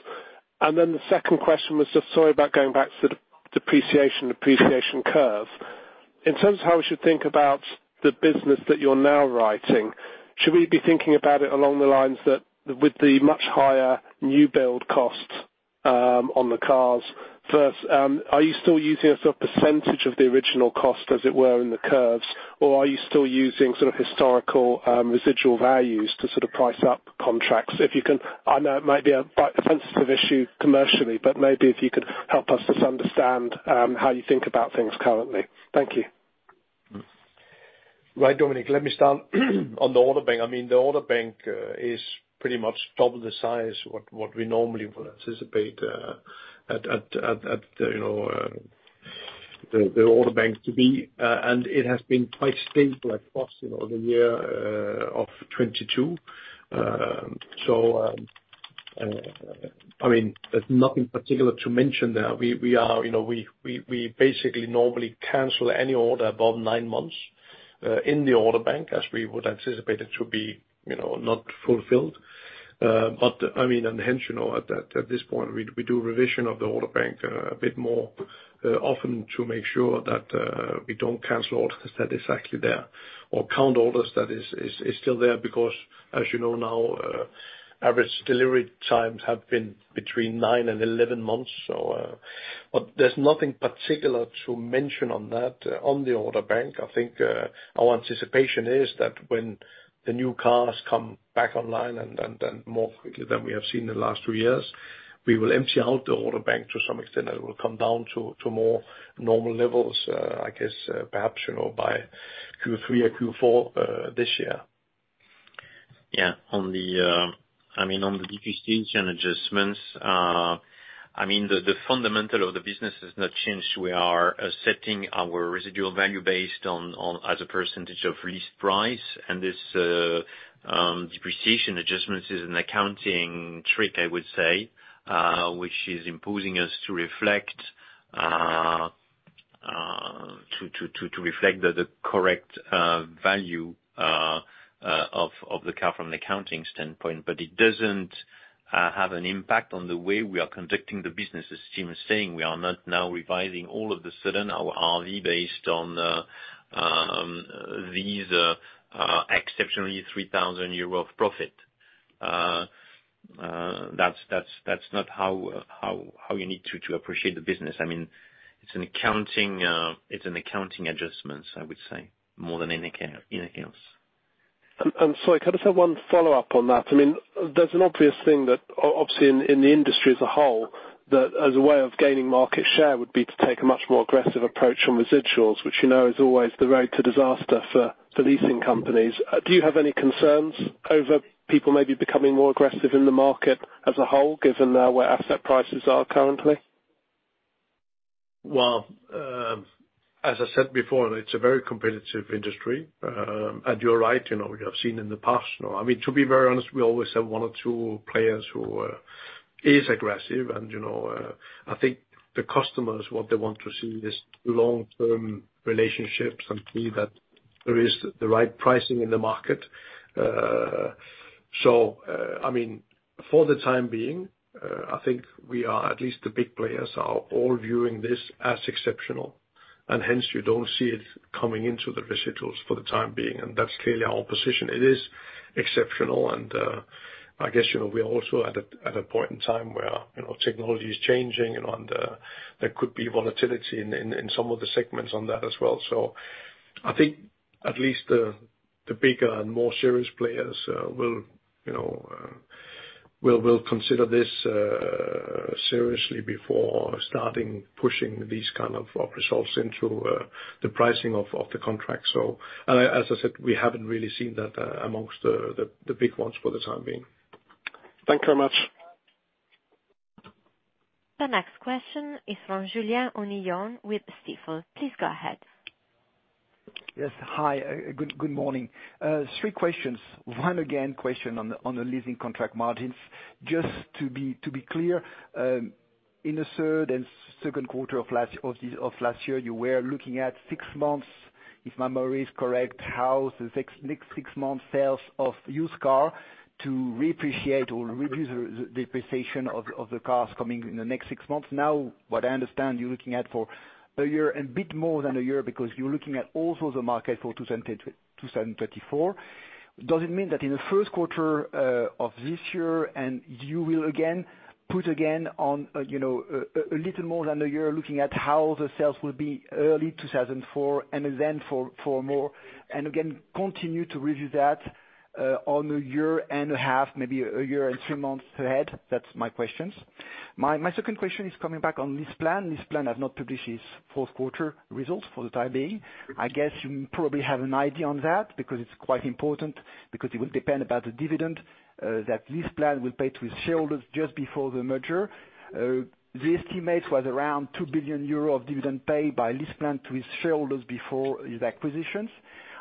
The second question was just sorry about going back to the depreciation, appreciation curve. In terms of how we should think about the business that you're now writing, should we be thinking about it along the lines that with the much higher new build costs, on the cars first, are you still using a sort of percentage of the original cost, as it were, in the curves? Or are you still using sort of historical, residual values to sort of price up contracts? If you can... I know it might be a quite sensitive issue commercially, but maybe if you could help us just understand, how you think about things currently. Thank you. Right, Dominic, let me start on the order bank. I mean, the order bank is pretty much double the size what we normally would anticipate, you know, the order bank to be. It has been quite stable across, you know, the year of 2022. I mean, there's nothing particular to mention there. We are, you know, we basically normally cancel any order above 9 months in the order bank as we would anticipate it to be, you know, not fulfilled. I mean, and hence, you know, at this point we do revision of the order bank a bit more often to make sure that we don't cancel orders that is actually there or count orders that is still there because as you know now, average delivery times have been between nine and 11 months. There's nothing particular to mention on that, on the order bank. I think, our anticipation is that when the new cars come back online and more quickly than we have seen in the last two years, we will empty out the order bank to some extent, and it will come down to more normal levels, I guess, perhaps, you know, by Q3 or Q4 this year. Yeah, on the, I mean, on the depreciation adjustments, I mean, the fundamental of the business has not changed. We are setting our residual value based on as a percentage of lease price. This, depreciation adjustments is an accounting trick, I would say, which is imposing us to reflect the correct value of the car from an accounting standpoint. It doesn't have an impact on the way we are conducting the business. As Jim is saying, we are not now revising all of the sudden our RV based on, these, exceptionally 3,000 euro of profit. That's not how you need to appreciate the business. I mean, it's an accounting adjustment, I would say, more than anything else. So I kind of have one follow-up on that. I mean, there's an obvious thing that obviously in the industry as a whole, that as a way of gaining market share would be to take a much more aggressive approach on residuals, which you know is always the road to disaster for leasing companies. Do you have any concerns over people maybe becoming more aggressive in the market as a whole, given where asset prices are currently? Well, as I said before, it's a very competitive industry. You're right, you know, we have seen in the past, you know, I mean, to be very honest, we always have one or two players who is aggressive. You know, I think the customers, what they want to see is long-term relationships and see that there is the right pricing in the market. I mean, for the time being, I think we are, at least the big players are all viewing this as exceptional, and hence you don't see it coming into the residuals for the time being, and that's clearly our position. It is exceptional and, I guess, you know, we are also at a point in time where, you know, technology is changing and, there could be volatility in some of the segments on that as well. I think at least the bigger and more serious players will, you know, will consider this seriously before starting pushing these kind of op results into the pricing of the contract. As I said, we haven't really seen that amongst the big ones for the time being. Thanks very much. The next question is from Julien Onillon with Stifel. Please go ahead. Yes. Hi, good morning. Three questions. One again, question on the leasing contract margins. Just to be clear, in the third and second quarter of last year, you were looking at six months, if my memory is correct. How the next six months sales of used car to reappreciate or review the depreciation of the cars coming in the next six months. Now, what I understand, you're looking at for a year and a bit more than a year because you're looking at also the market for 2024. Does it mean that in the first quarter of this year, you will again put again on, you know, a little more than a year looking at how the sales will be early 2004 then for more, continue to review that on a year and a half, maybe a year and three months ahead? That's my questions. My second question is coming back on LeasePlan. LeasePlan has not published its fourth quarter results for the time being. I guess you probably have an idea on that because it's quite important because it will depend about the dividend that LeasePlan will pay to its shareholders just before the merger. The estimate was around 2 billion euro of dividend paid by LeasePlan to its shareholders before these acquisitions.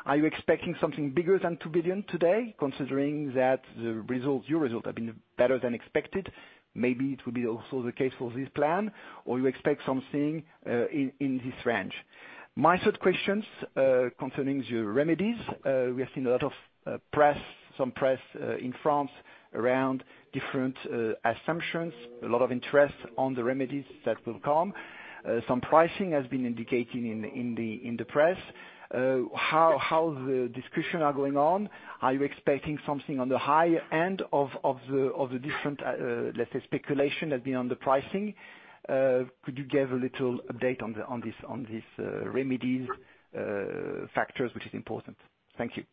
Are you expecting something bigger than 2 billion today, considering that the results, your results have been better than expected? Maybe it will be also the case for LeasePlan, or you expect something in this range? My third questions concerning the remedies. We have seen a lot of press, some press in France around different assumptions, a lot of interest on the remedies that will come. Some pricing has been indicated in the press. How the discussion are going on? Are you expecting something on the high end of the different, let's say, speculation has been on the pricing? Could you give a little update on the, on this remedies factors, which is important? Thank you.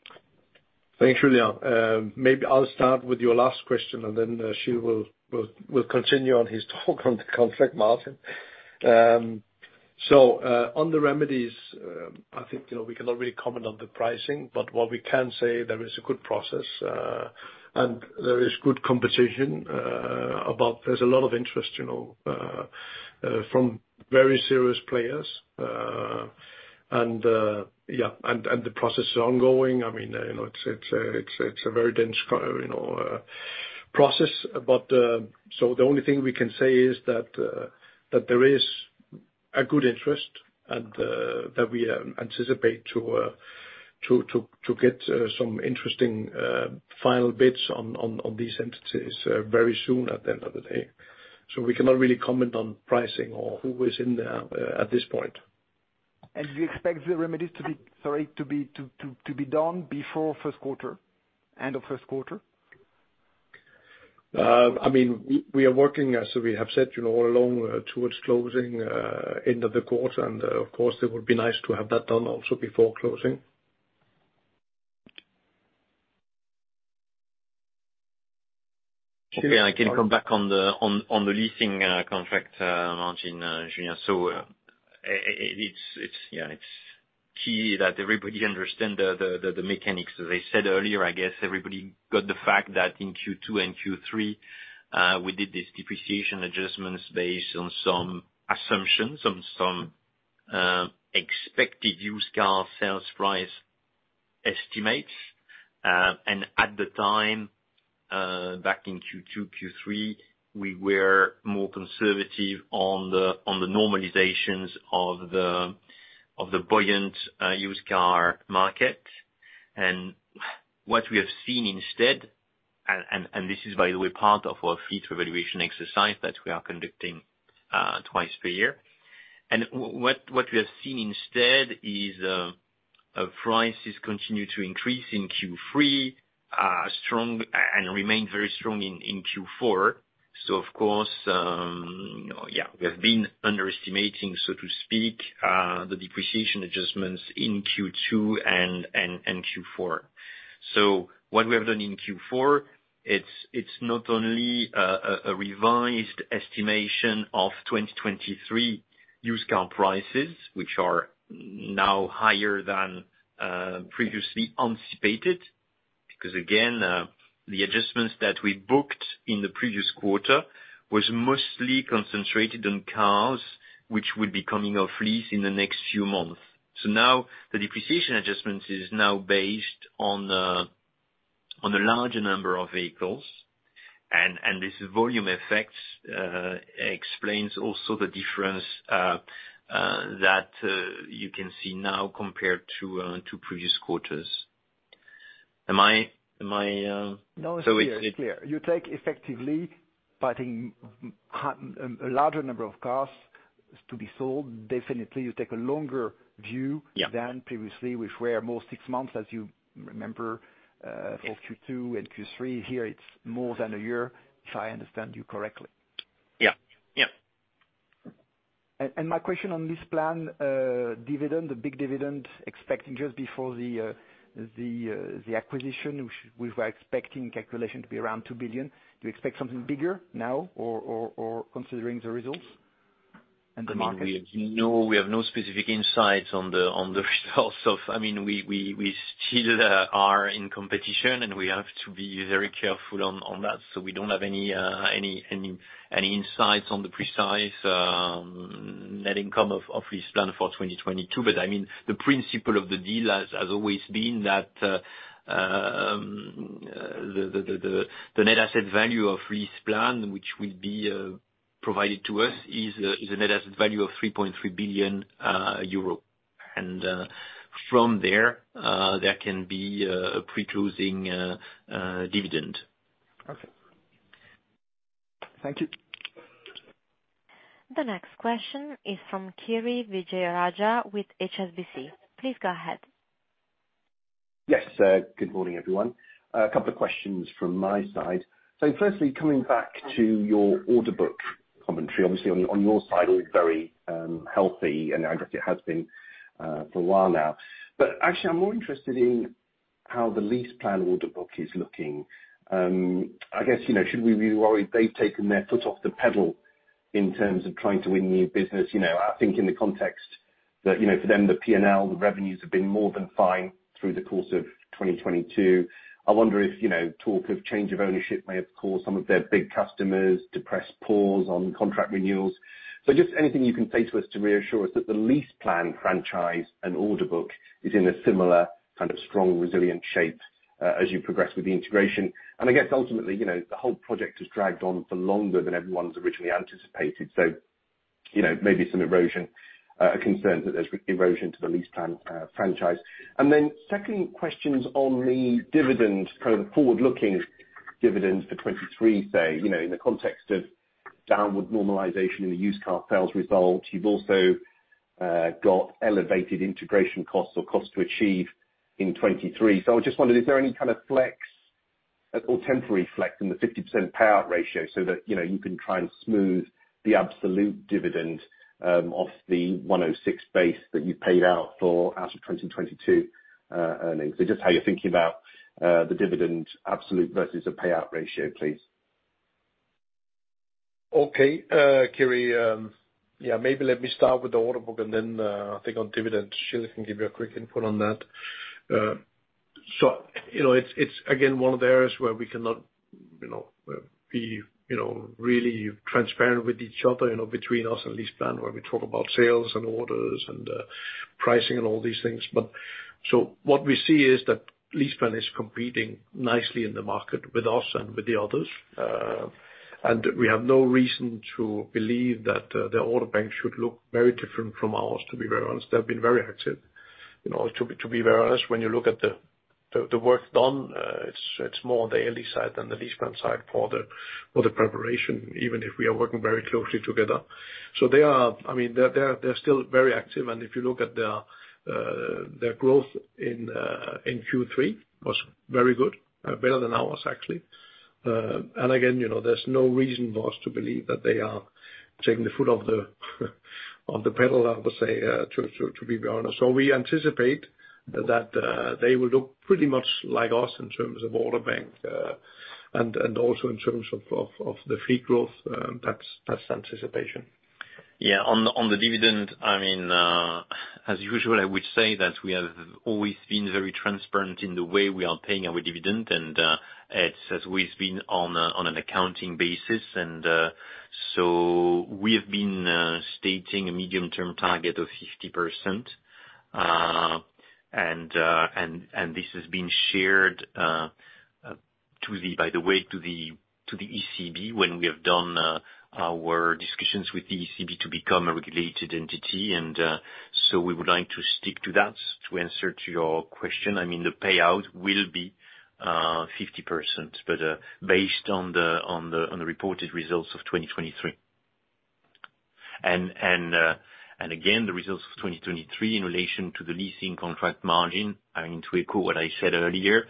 Thanks, Julien. Maybe I'll start with your last question and then Gilles will continue on his talk on the contract margin. On the remedies, I think, you know, we cannot really comment on the pricing, but what we can say there is a good process and there is good competition, there's a lot of interest, you know, from very serious players. The process is ongoing. I mean, you know, it's a very dense, you know, process. The only thing we can say is that there is a good interest and that we anticipate to get some interesting final bids on these entities very soon at the end of the day. We cannot really comment on pricing or who is in there at this point. Do you expect the remedies to be, sorry, to be done before first quarter, end of first quarter? I mean, we are working as we have said, you know, all along, towards closing, end of the quarter. Of course, it would be nice to have that done also before closing. Okay. I can come back on the leasing contract margin, Julien. It's, yeah, it's key that everybody understand the mechanics. As I said earlier, I guess everybody got the fact that in Q2 and Q3, we did this depreciation adjustments based on some assumptions, on some expected used car sales price estimates. At the time, back in Q2, Q3, we were more conservative on the normalizations of the buoyant used car market. What we have seen instead, and this is by the way, part of our fee to evaluation exercise that we are conducting twice per year. What we have seen instead is prices continue to increase in Q3, strong, and remain very strong in Q4. Of course, we have been underestimating, so to speak, the depreciation adjustments in Q2 and Q4. What we have done in Q4, it's not only a revised estimation of 2023 used car prices, which are now higher than previously anticipated. Because again, the adjustments that we booked in the previous quarter was mostly concentrated on cars which will be coming off lease in the next few months. Now the depreciation adjustment is now based on the larger number of vehicles, and this volume effect explains also the difference that you can see now compared to previous quarters. Am I? No, it's clear. It's clear. So it's- You take effectively buying a larger number of cars to be sold. Definitely, you take a longer view... Yeah. than previously, which were more 6 months, as you remember, for Q2 and Q3. Here, it's more than a year, if I understand you correctly. Yeah. Yeah. My question on this plan, dividend, the big dividend expecting just before the acquisition, we were expecting calculation to be around 2 billion. Do you expect something bigger now, or considering the results and the market? We have no specific insights on the results of... I mean, we still are in competition, and we have to be very careful on that. We don't have any insights on the precise net income of LeasePlan for 2022. I mean, the principle of the deal has always been that the net asset value of LeasePlan, which will be provided to us, is a net asset value of 3.3 billion euro. From there can be a preclosing dividend. Okay. Thank you. The next question is from Kiri Vijayarajah with HSBC. Please go ahead. Yes. Good morning, everyone. A couple of questions from my side. Firstly, coming back to your order book commentary, obviously on your side, all very healthy, and I guess it has been for a while now. Actually I'm more interested in how the LeasePlan order book is looking. I guess, you know, should we be worried they've taken their foot off the pedal in terms of trying to win new business? You know, I think in the context that, you know, for them, the P&L, the revenues have been more than fine through the course of 2022. I wonder if, you know, talk of change of ownership may have caused some of their big customers to press pause on contract renewals. Just anything you can say to us to reassure us that the LeasePlan franchise and order book is in a similar kind of strong, resilient shape, as you progress with the integration? I guess ultimately, you know, the whole project has dragged on for longer than everyone's originally anticipated. So, you know, maybe some erosion, concerns that there's erosion to the LeasePlan, franchise. Second questions on the dividend, kind of the forward-looking dividend for 2023, say, you know, in the context of downward normalization in the used car sales results. You've also, got elevated integration costs or costs to achieve in 2023? I was just wondering, is there any kind of flex or temporary flex in the 50% payout ratio so that, you know, you can try and smooth the absolute dividend off the 1.06 base that you paid out for, as of 2022 earnings? Just how you're thinking about the dividend absolute versus the payout ratio, please. Okay. Kiri, yeah, maybe let me start with the order book and then, I think on dividend, Sheila can give you a quick input on that. You know, it's again, one of the areas where we cannot, you know, be, you know, really transparent with each other, you know, between us and LeasePlan, where we talk about sales and orders and, pricing and all these things. What we see is that LeasePlan is competing nicely in the market with us and with the others. We have no reason to believe that, their order bank should look very different from ours, to be very honest. They've been very active. You know, to be very honest, when you look at the work done, it's more the ALD side than the LeasePlan side for the preparation, even if we are working very closely together. They are, I mean, they're still very active. If you look at their growth in Q3 was very good, better than ours, actually. Again, you know, there's no reason for us to believe that they are taking the foot off the pedal, I would say, to be honest. We anticipate that they will look pretty much like us in terms of order bank, and also in terms of the fee growth. That's anticipation. Yeah. On the dividend, I mean, as usual, I would say that we have always been very transparent in the way we are paying our dividend. It's as we've been on an accounting basis. We have been stating a medium-term target of 50%. This has been shared, by the way, to the ECB when we have done our discussions with the ECB to become a regulated entity. We would like to stick to that. To answer to your question, I mean, the payout will be 50%, based on the reported results of 2023. Again, the results of 2023 in relation to the leasing contract margin, I mean, to echo what I said earlier,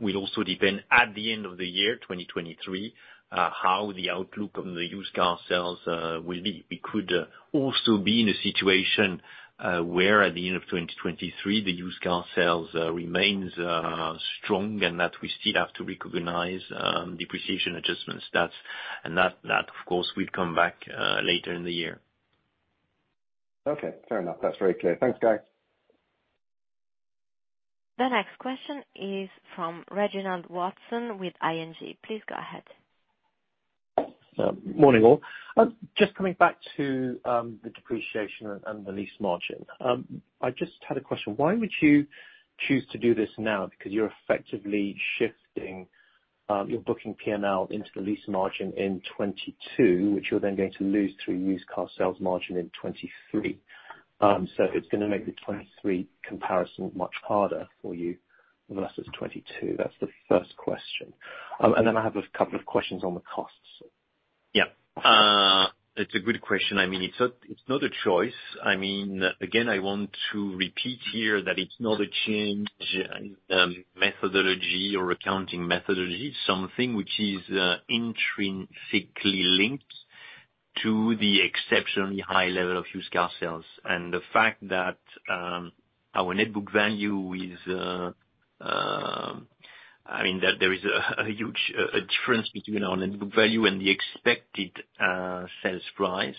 will also depend at the end of the year, 2023, how the outlook on the used car sales will be. We could also be in a situation where at the end of 2023, the used car sales remains strong, and that we still have to recognize depreciation adjustments. That's, and that of course will come back later in the year. Okay, fair enough. That's very clear. Thanks, guys. The next question is from Reginald Watson with ING. Please go ahead. Morning, all. Just coming back to the depreciation and the lease margin. I just had a question. Why would you choose to do this now? You're effectively shifting your booking P&L into the lease margin in 22, which you're then going to lose through used car sales margin in 23. It's gonna make the 23 comparison much harder for you versus 22. That's the first question. I have a couple of questions on the costs. Yeah. It's a good question. I mean, it's not a choice. I mean, again, I want to repeat here that it's not a change methodology or accounting methodology, something which is intrinsically linked to the exceptionally high level of used car sales. The fact that our net book value is, I mean that there is a huge difference between our net book value and the expected sales price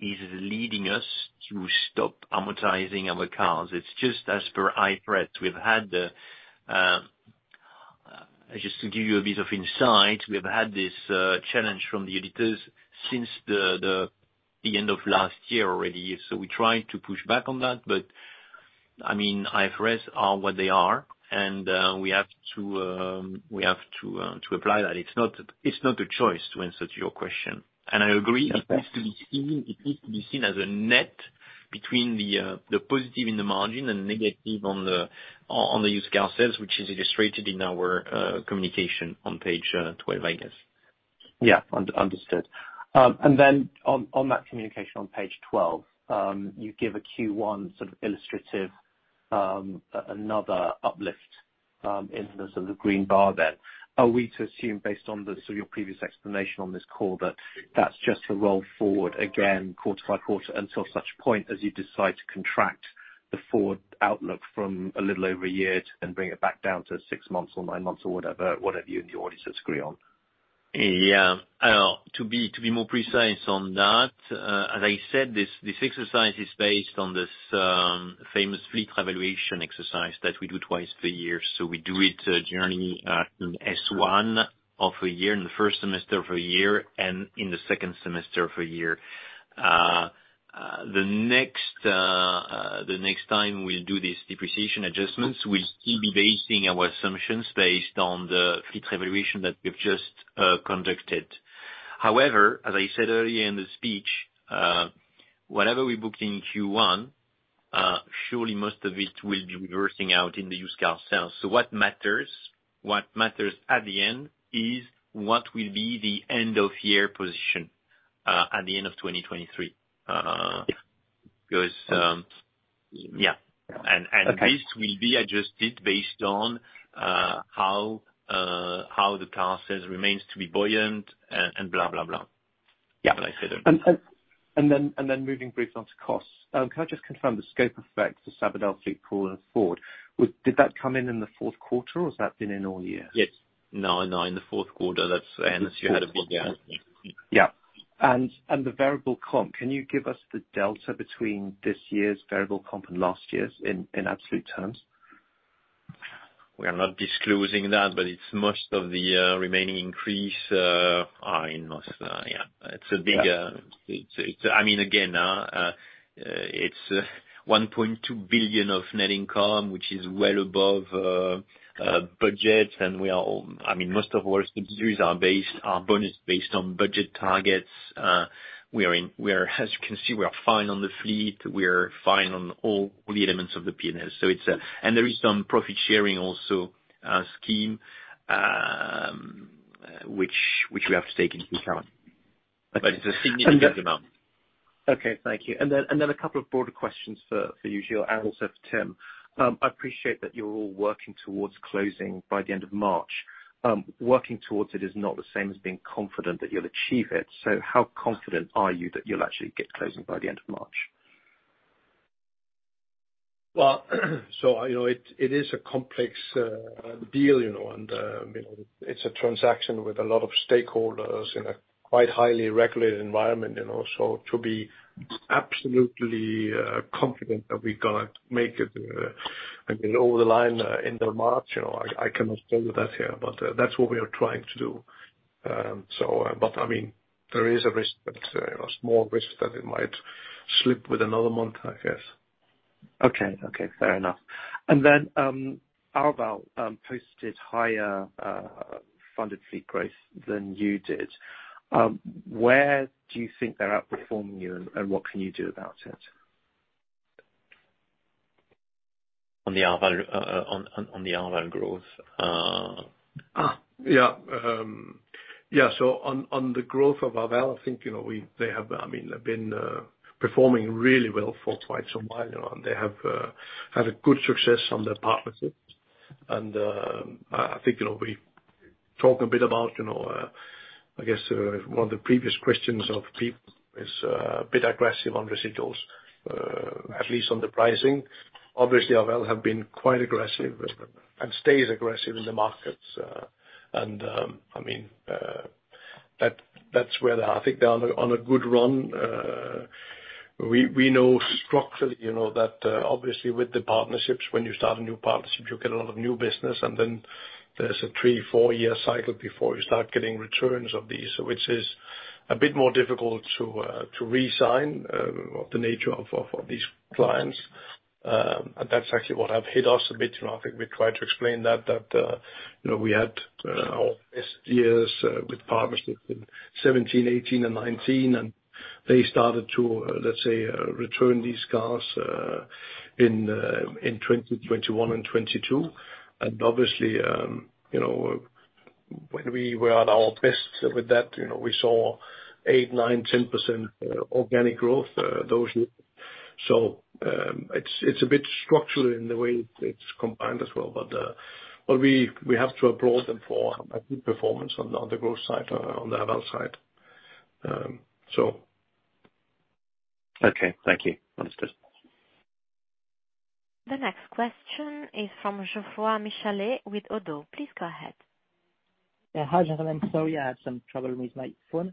is leading us to stop amortizing our cars. It's just as per IFRS, we've had the, just to give you a bit of insight, we've had this challenge from the auditors since the end of last year already. We tried to push back on that. I mean, IFRS are what they are, and we have to apply that. It's not a choice to answer to your question. I agree it needs to be seen as a net between the positive in the margin and negative on the used car sales, which is illustrated in our communication on page 12, I guess. Yeah. Under-understood. On that communication on page 12, you give a Q1 sort of illustrative, another uplift, in the sort of green bar then. Are we to assume, based on the sort of your previous explanation on this call, that that's just to roll forward again quarter by quarter until such point as you decide to contract the forward outlook from a little over a year to then bring it back down to six months or nine months or whatever you and the auditors agree on? Yeah. To be more precise on that, as I said, this exercise is based on this famous fleet evaluation exercise that we do twice a year. We do it generally in the first semester of a year and in the second semester of a year. The next time we'll do these depreciation adjustments, we'll still be basing our assumptions based on the fleet evaluation that we've just conducted. However, as I said earlier in the speech, whatever we book in Q1, surely most of it will be reversing out in the used car sales. What matters at the end is what will be the end of year position at the end of 2023. Yeah. Yeah. Okay. This will be adjusted based on how the car sales remains to be buoyant and blah, blah. Yeah. Like I said earlier. Moving briefly on to costs, can I just confirm the scope effect for Sabadell, FLEETCOR and Ford. Did that come in in the fourth quarter or has that been in all year? Yes. No, in the fourth quarter. That's. This year had been down. Yeah. And the variable comp, can you give us the delta between this year's variable comp and last year's in absolute terms? We are not disclosing that, but it's most of the remaining increase are in most, yeah, it's a big, I mean, again, it's 1.2 billion of net income, which is well above budget. We are all, I mean, most of our subsidies are based, are bonus based on budget targets. We are, as you can see, we are fine on the fleet, we are fine on all the elements of the P&L. There is some profit sharing also scheme which we have to take into account. Okay. It's a significant amount. Okay, thank you. A couple of broader questions for you, Gio, and also for Tim. I appreciate that you're all working towards closing by the end of March. Working towards it is not the same as being confident that you'll achieve it. How confident are you that you'll actually get closing by the end of March? you know, it is a complex deal, you know, and, you know, it's a transaction with a lot of stakeholders in a quite highly regulated environment, you know. to be absolutely confident that we're gonna make it, I mean, over the line, end of March, you know, I cannot tell you that here. that's what we are trying to do. I mean, there is a risk that, you know, small risk that it might slip with another month, I guess. Okay. Okay, fair enough. Arval posted higher funded fleet growth than you did. Where do you think they're outperforming you, and what can you do about it? On the Arval, on the Arval growth? Yeah. On the growth of Arval, I think, you know, they have, I mean, they've been performing really well for quite some while, you know. They have had a good success on their partnerships. I think, you know, we've talked a bit about, you know, I guess, one of the previous questions of people is a bit aggressive on residuals, at least on the pricing. Obviously, Arval have been quite aggressive and stays aggressive in the markets. I mean, that's where I think they are on a good run. We know structurally, you know, that obviously with the partnerships, when you start a new partnership, you get a lot of new business, and then there's a three, four-year cycle before you start getting returns of these, which is a bit more difficult to re-sign of the nature of these clients. That's actually what have hit us a bit. You know, I think we tried to explain that, you know, we had our best years with partnerships in 2017, 2018 and 2019. They started to, let's say, return these cars in 2021 and 2022. Obviously, you know, when we were at our best with that, you know, we saw 8%, 9%, 10% organic growth, those years. It's a bit structural in the way it's combined as well. But we have to applaud them for a good performance on the growth side, on the arval side. Okay, thank you. Understood. The next question is from Geoffroy Michalet with Oddo. Please go ahead. Yeah. Hi, gentlemen. Sorry, I have some trouble with my phone.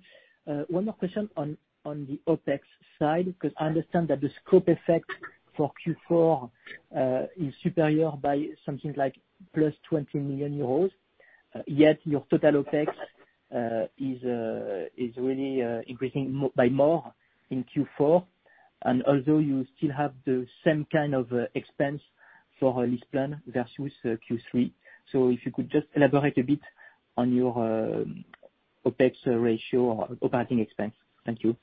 One more question on the OpEx side, because I understand that the scope effect for Q4 is superior by something like plus 20 million euros. Yet your total OpEx is really increasing by more in Q4, and although you still have the same kind of expense for a LeasePlan versus Q3. If you could just elaborate a bit on your OpEx ratio or operating expense. Thank you.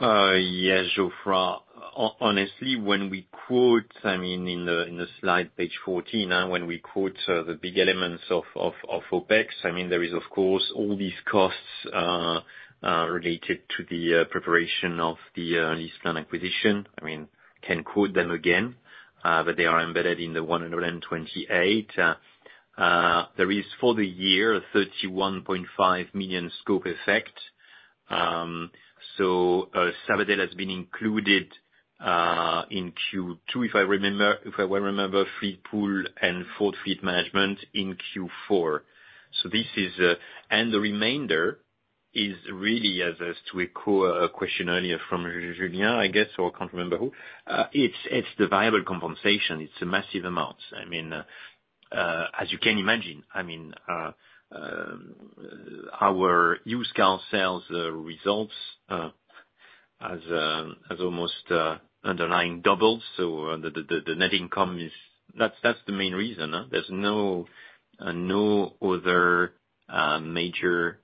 Yeah, Geoffroy. Honestly, when we quote, I mean, in the, in the slide page 14, when we quote, the big elements of OpEx, I mean, there is of course all these costs related to the preparation of the LeasePlan acquisition. I mean, can quote them again, but they are embedded in the 128. There is for the year 31.5 million scope effect. Some of that has been included in Q2, if I remember. If I well remember, FleetPool and full fleet management in Q4. This is. The remainder is really, as to echo a question earlier from Julien, I guess, or I can't remember who. It's the viable compensation. It's a massive amount. I mean, as you can imagine, I mean, our used car sales results has almost underlying double. The net income is. That's the main reason. There's no other major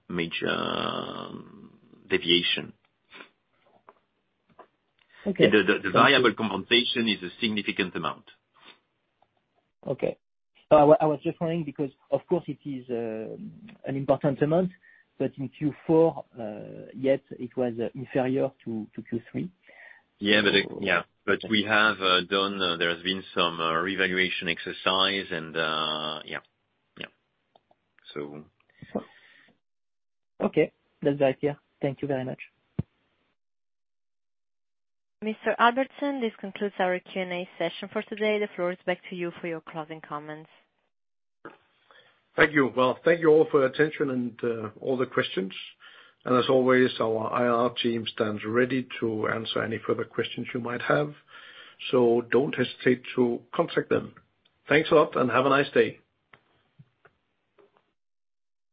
deviation. Okay. The variable compensation is a significant amount. Okay. I was just wondering because of course it is an important amount. In Q4, yet it was inferior to Q3. Yeah. Yeah, but we have done, there's been some revaluation exercise and, yeah. Okay. That's right, yeah. Thank you very much. Mr. Albertsen, this concludes our Q&A session for today. The floor is back to you for your closing comments. Thank you. Well, thank you all for your attention and, all the questions. As always, our IR team stands ready to answer any further questions you might have, so don't hesitate to contact them. Thanks a lot, and have a nice day.